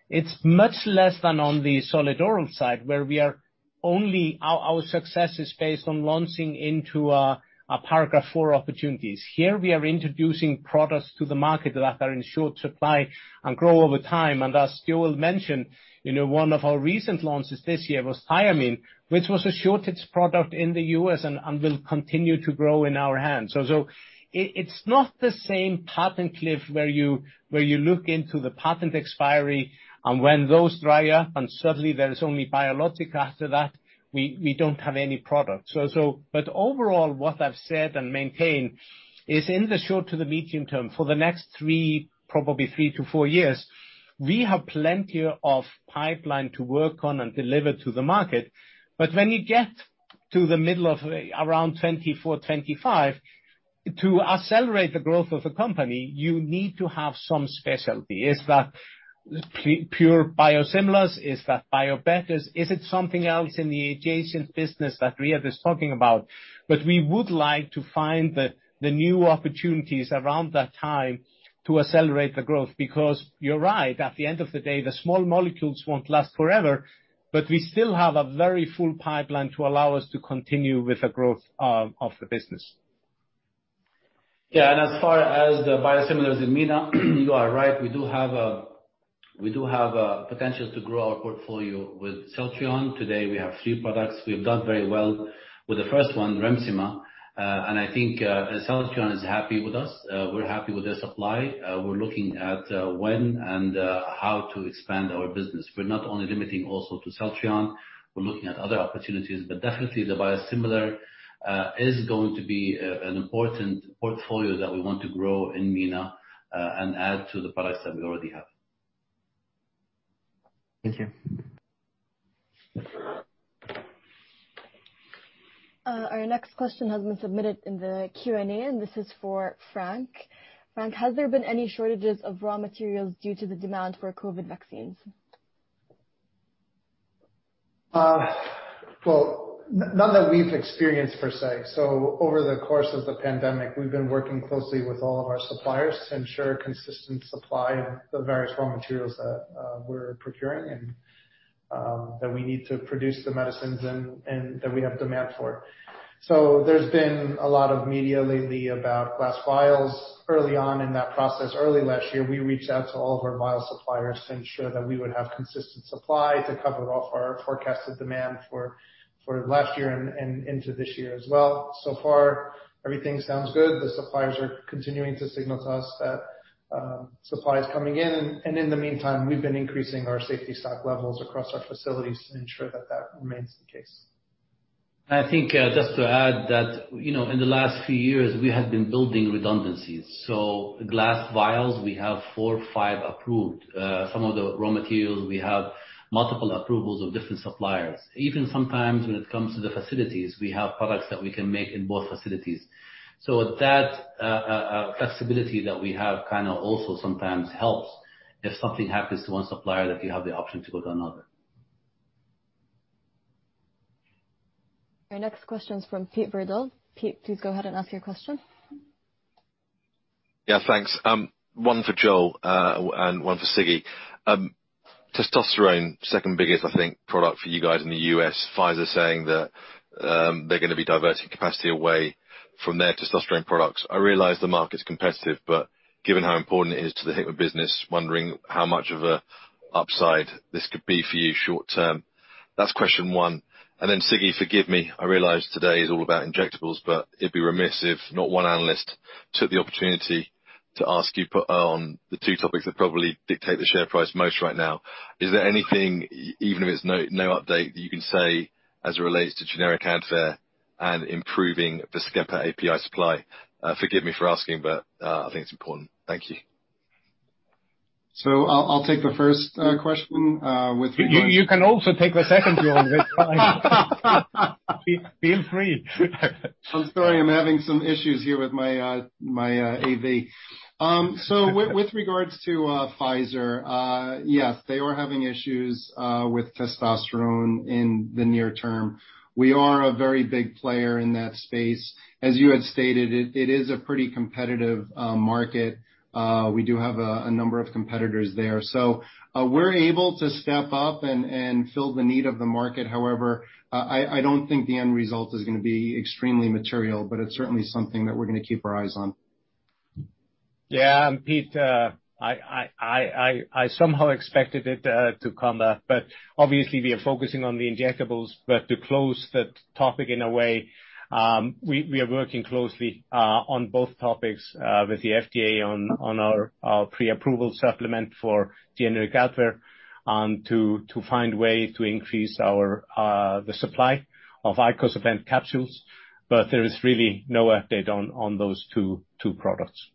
it's much less than on the solid oral side, where we are only... Our success is based on launching into a paragraph four opportunities. Here, we are introducing products to the market that are in short supply and grow over time. And as Joel mentioned, you know, one of our recent launches this year was Thiamine, which was a shortage product in the US and will continue to grow in our hands. So, it's not the same patent cliff where you look into the patent expiry, and when those dry up, and suddenly there is only biologic after that, we don't have any products. So, but overall, what I've said and maintained is in the short to the medium term, for the next 3, probably 3-4 years, we have plenty of pipeline to work on and deliver to the market. But when you get to the middle of around 2024, 2025, to accelerate the growth of a company, you need to have some specialty. Is that pure biosimilars? Is that biobetters? Is it something else in the adjacent business that Riad is talking about? But we would like to find the new opportunities around that time to accelerate the growth, because you're right, at the end of the day, the small molecules won't last forever, but we still have a very full pipeline to allow us to continue with the growth of the business.... Yeah, and as far as the biosimilars in MENA, you are right. We do have a potential to grow our portfolio with Celltrion. Today, we have three products. We've done very well with the first one, Remsima. And I think, Celltrion is happy with us. We're happy with their supply. We're looking at, when and, how to expand our business. We're not only limiting also to Celltrion, we're looking at other opportunities, but definitely the biosimilar is going to be an important portfolio that we want to grow in MENA, and add to the products that we already have. Thank you. Our next question has been submitted in the Q&A, and this is for Frank. Frank, has there been any shortages of raw materials due to the demand for COVID vaccines? Well, none that we've experienced per se. So over the course of the pandemic, we've been working closely with all of our suppliers to ensure consistent supply of the various raw materials that we're procuring and that we need to produce the medicines and that we have demand for. So there's been a lot of media lately about glass vials. Early on in that process, early last year, we reached out to all of our vial suppliers to ensure that we would have consistent supply to cover all our forecasted demand for last year and into this year as well. So far, everything sounds good. The suppliers are continuing to signal to us that supply is coming in, and in the meantime, we've been increasing our safety stock levels across our facilities to ensure that that remains the case. I think, just to add that, you know, in the last few years, we have been building redundancies. So glass vials, we have 4, 5 approved. Some of the raw materials, we have multiple approvals of different suppliers. Even sometimes when it comes to the facilities, we have products that we can make in both facilities. So that, flexibility that we have kind of also sometimes helps if something happens to one supplier, that we have the option to go to another. Our next question is from Pete Verdult. Pete, please go ahead and ask your question. Yeah, thanks. One for Joel, and one for Sigurdur. Testosterone, second biggest, I think, product for you guys in the US. Pfizer saying that, they're gonna be diverting capacity away from their testosterone products. I realize the market is competitive, but given how important it is to the Hikma business, wondering how much of a upside this could be for you short term. That's question one. And then, Sigurdur, forgive me, I realize today is all about injectables, but it'd be remiss if not one analyst took the opportunity to ask you on the two topics that probably dictate the share price most right now. Is there anything, even if it's no, no update, that you can say as it relates to generic Advair and improving the Skelpa API supply? Forgive me for asking, but I think it's important. Thank you. I'll take the first question with- You can also take the second, Joel. It's fine. Feel free. I'm sorry. I'm having some issues here with my AV. So with regards to Pfizer, yes, they are having issues with testosterone in the near term. We are a very big player in that space. As you had stated, it is a pretty competitive market. We do have a number of competitors there. So we're able to step up and fill the need of the market. However, I don't think the end result is gonna be extremely material, but it's certainly something that we're gonna keep our eyes on. Yeah, and Pete, I somehow expected it to come up, but obviously we are focusing on the injectables. But to close that topic in a way, we are working closely on both topics with the FDA on our pre-approval supplement for generic Advair, and to find way to increase our the supply of icosapent capsules. But there is really no update on those two products.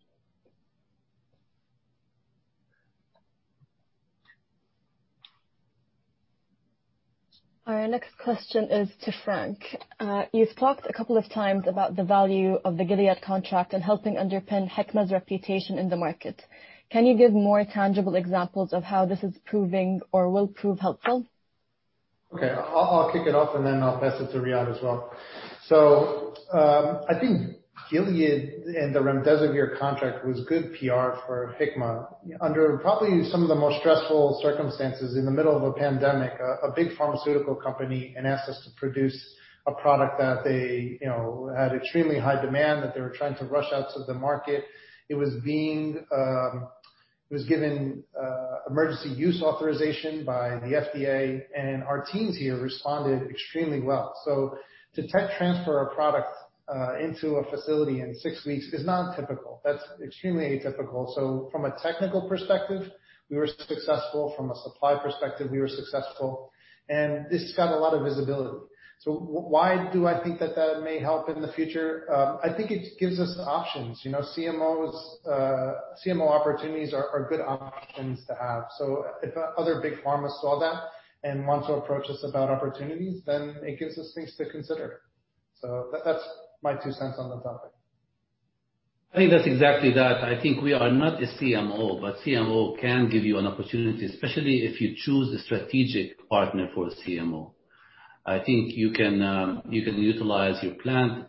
Our next question is to Frank. You've talked a couple of times about the value of the Gilead contract and helping underpin Hikma's reputation in the market. Can you give more tangible examples of how this is proving or will prove helpful? Okay. I'll kick it off, and then I'll pass it to Riad as well. So, I think Gilead and the Remdesivir contract was good PR for Hikma. Under probably some of the most stressful circumstances, in the middle of a pandemic, a big pharmaceutical company asked us to produce a product that they, you know, had extremely high demand, that they were trying to rush out to the market. It was given emergency use authorization by the FDA, and our teams here responded extremely well. So to tech transfer a product into a facility in six weeks is not typical. That's extremely atypical. So from a technical perspective, we were successful. From a supply perspective, we were successful, and this got a lot of visibility. So why do I think that that may help in the future? I think it gives us options. You know, CMOs, CMO opportunities are good options to have. So if other big pharma saw that and want to approach us about opportunities, then it gives us things to consider. So that's my two cents on the topic. I think that's exactly that. I think we are not a CMO, but CMO can give you an opportunity, especially if you choose a strategic partner for a CMO. I think you can, you can utilize your plant,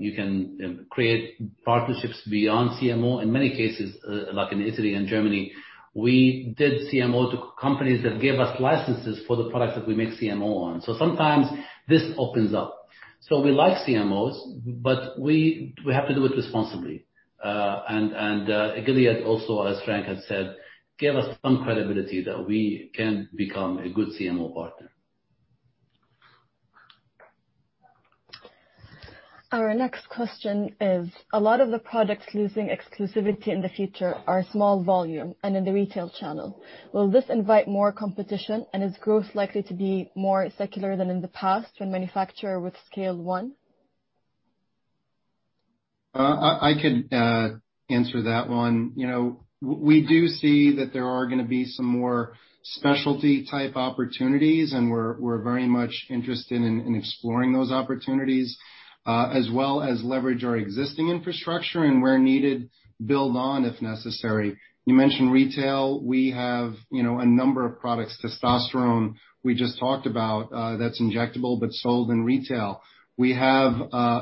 you can, create partnerships beyond CMO. In many cases, like in Italy and Germany, we did CMO to companies that gave us licenses for the products that we make CMO on. So sometimes this opens up. So we like CMOs, but we, we have to do it responsibly. And, and, Gilead also, as Frank has said, gave us some credibility that we can become a good CMO partner. Our next question is: A lot of the products losing exclusivity in the future are small volume and in the retail channel. Will this invite more competition, and is growth likely to be more secular than in the past when manufacturer with scale won? I can answer that one. You know, we do see that there are gonna be some more specialty type opportunities, and we're very much interested in exploring those opportunities, as well as leverage our existing infrastructure, and where needed, build on if necessary. You mentioned retail. We have, you know, a number of products, Testosterone we just talked about, that's injectable but sold in retail. We have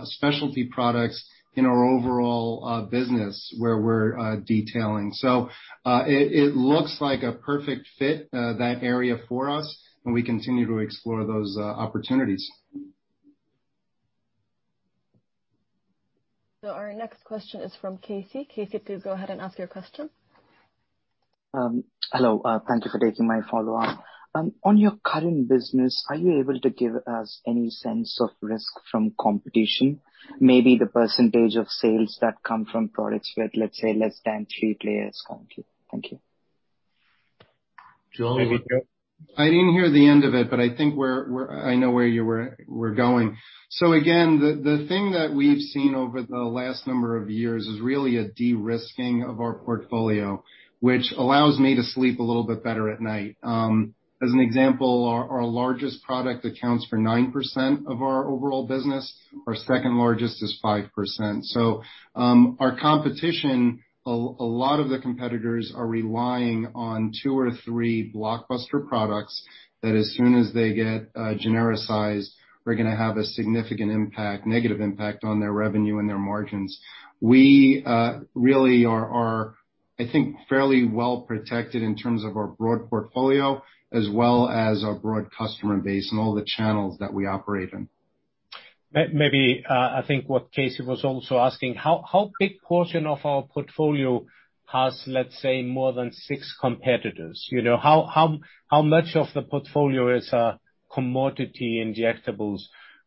specialty products in our overall business where we're detailing. So, it looks like a perfect fit, that area for us, and we continue to explore those opportunities. Our next question is from Casey. Casey, please go ahead and ask your question. Hello. Thank you for taking my follow-up. On your current business, are you able to give us any sense of risk from competition, maybe the percentage of sales that come from products with, let's say, less than three players? Thank you. Thank you. Joel, maybe- I didn't hear the end of it, but I think I know where you were, we're going. So again, the thing that we've seen over the last number of years is really a de-risking of our portfolio, which allows me to sleep a little bit better at night. As an example, our largest product accounts for 9% of our overall business. Our second largest is 5%. So, our competition, a lot of the competitors are relying on 2 or 3 blockbuster products that as soon as they get genericized, we're gonna have a significant impact, negative impact on their revenue and their margins. We really are, I think, fairly well protected in terms of our broad portfolio, as well as our broad customer base and all the channels that we operate in. Maybe, I think what Casey was also asking, how big portion of our portfolio has, let's say, more than six competitors? You know, how much of the portfolio is commodity injectables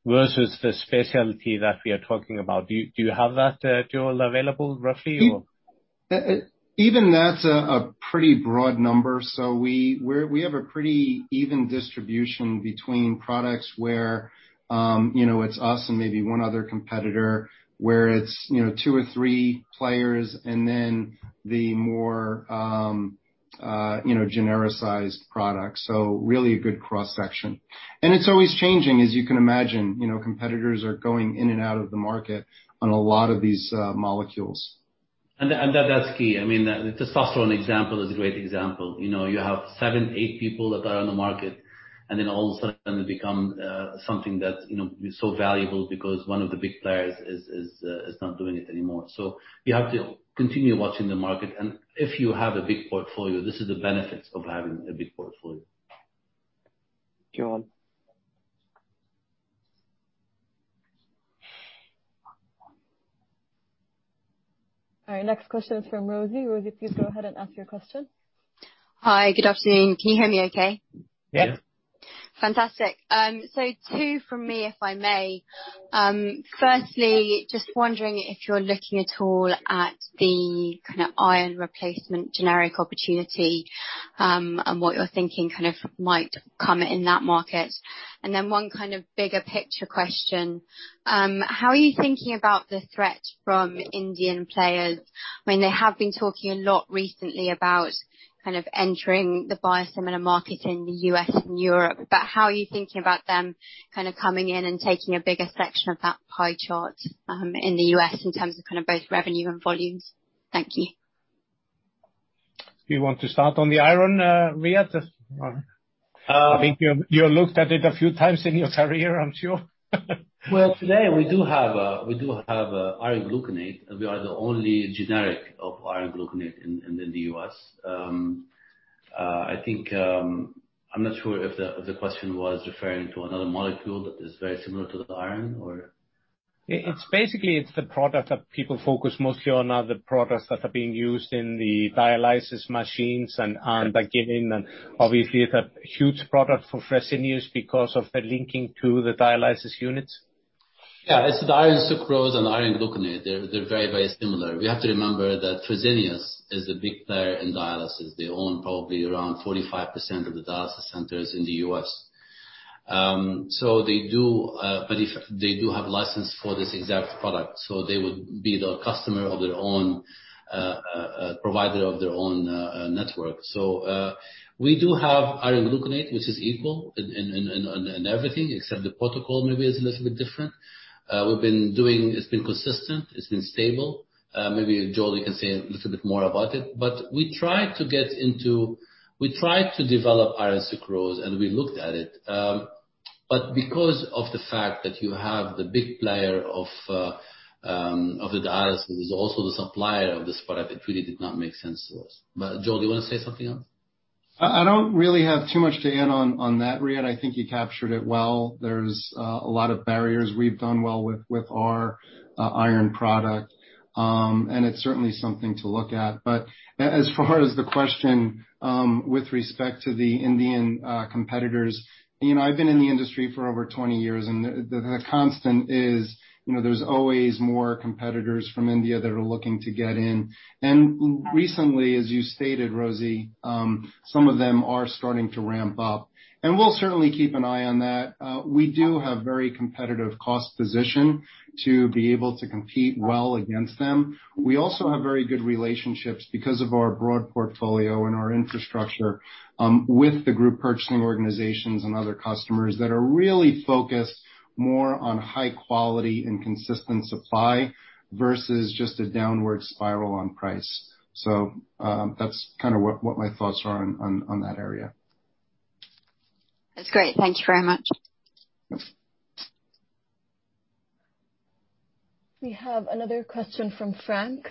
versus the specialty that we are talking about? Do you have that, Joel, available roughly, or? Even that's a pretty broad number. So we have a pretty even distribution between products where, you know, it's us and maybe one other competitor, where it's, you know, two or three players, and then the more, you know, genericized products. So really a good cross-section. And it's always changing, as you can imagine. You know, competitors are going in and out of the market on a lot of these, molecules. And that's key. I mean, the Testosterone example is a great example. You know, you have 7, 8 people that are on the market, and then all of a sudden, it become something that, you know, is so valuable because one of the big players is not doing it anymore. So you have to continue watching the market, and if you have a big portfolio, this is the benefits of having a big portfolio. Joel. All right, next question is from Rosie. Rosie, please go ahead and ask your question. Hi, good afternoon. Can you hear me okay? Yeah. Yes. Fantastic. So two from me, if I may. Firstly, just wondering if you're looking at all at the kind of iron replacement generic opportunity, and what you're thinking kind of might come in that market. And then one kind of bigger picture question, how are you thinking about the threat from Indian players? I mean, they have been talking a lot recently about kind of entering the biosimilar market in the US and Europe, but how are you thinking about them kind of coming in and taking a bigger section of that pie chart, in the US, in terms of kind of both revenue and volumes? Thank you. Do you want to start on the iron, Riad? Um- I think you looked at it a few times in your career, I'm sure. Well, today, we do have Iron Gluconate, and we are the only generic of Iron Gluconate in the US I think I'm not sure if the question was referring to another molecule that is very similar to the iron, or? It's basically the product that people focus mostly on are the products that are being used in the dialysis machines, and obviously, it's a huge product for Fresenius because of the linking to the dialysis units. Yeah, it's the Iron Sucrose and Iron Gluconate. They're, they're very, very similar. We have to remember that Fresenius is a big player in dialysis. They own probably around 45% of the dialysis centers in the US So they do, they do have license for this exact product, so they would be the customer of their own provider of their own network. So, we do have Iron Gluconate, which is equal in everything, except the protocol maybe is a little bit different. We've been doing. It's been consistent, it's been stable. Maybe Joel, you can say a little bit more about it, but we tried to develop Iron Sucrose, and we looked at it, but because of the fact that you have the big player of the dialysis, who's also the supplier of this product, it really did not make sense to us. But Joel, do you want to say something else?... I don't really have too much to add on that, Riad. I think you captured it well. There's a lot of barriers. We've done well with our iron product. And it's certainly something to look at. But as far as the question with respect to the Indian competitors, you know, I've been in the industry for over 20 years, and the constant is, you know, there's always more competitors from India that are looking to get in. And recently, as you stated, Rosie, some of them are starting to ramp up, and we'll certainly keep an eye on that. We do have very competitive cost position to be able to compete well against them. We also have very good relationships because of our broad portfolio and our infrastructure, with the group purchasing organizations and other customers that are really focused more on high quality and consistent supply versus just a downward spiral on price. So, that's kind of what my thoughts are on that area. That's great. Thank you very much. Yes. We have another question from Frank.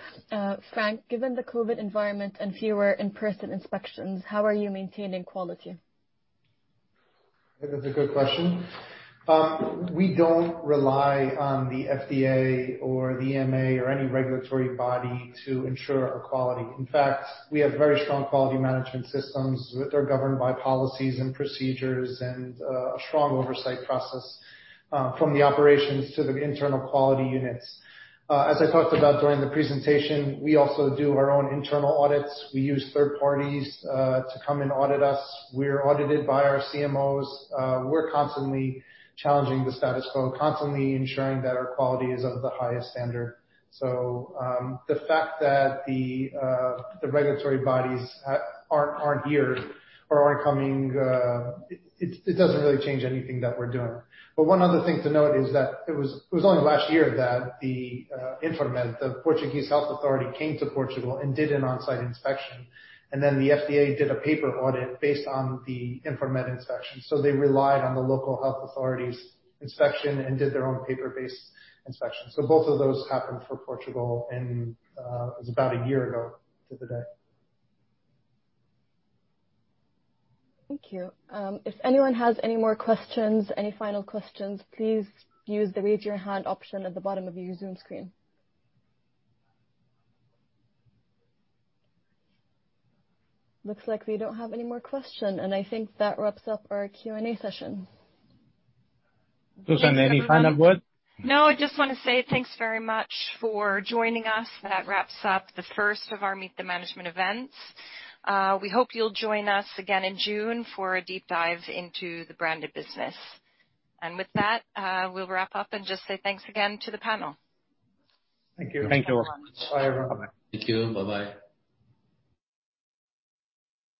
Frank, given the COVID environment and fewer in-person inspections, how are you maintaining quality? I think that's a good question. We don't rely on the FDA or the EMA or any regulatory body to ensure our quality. In fact, we have very strong quality management systems that are governed by policies and procedures and a strong oversight process from the operations to the internal quality units. As I talked about during the presentation, we also do our own internal audits. We use third parties to come and audit us. We're audited by our CMOs. We're constantly challenging the status quo, constantly ensuring that our quality is of the highest standard. So, the fact that the regulatory bodies aren't here or aren't coming, it doesn't really change anything that we're doing. One other thing to note is that it was only last year that Infarmed, the Portuguese health authority, came to Portugal and did an on-site inspection, and then the FDA did a paper audit based on the Infarmed inspection. They relied on the local health authority's inspection and did their own paper-based inspection. Both of those happened for Portugal in, it was about a year ago to the day. Thank you. If anyone has any more questions, any final questions, please use the Raise Your Hand option at the bottom of your Zoom screen. Looks like we don't have any more question, and I think that wraps up our Q&A session. Susan, any final word? No, I just want to say thanks very much for joining us. That wraps up the first of our Meet the Management events. We hope you'll join us again in June for a deep dive into the branded business. And with that, we'll wrap up and just say thanks again to the panel. Thank you. Thank you. Bye, everyone. Thank you. Bye-bye.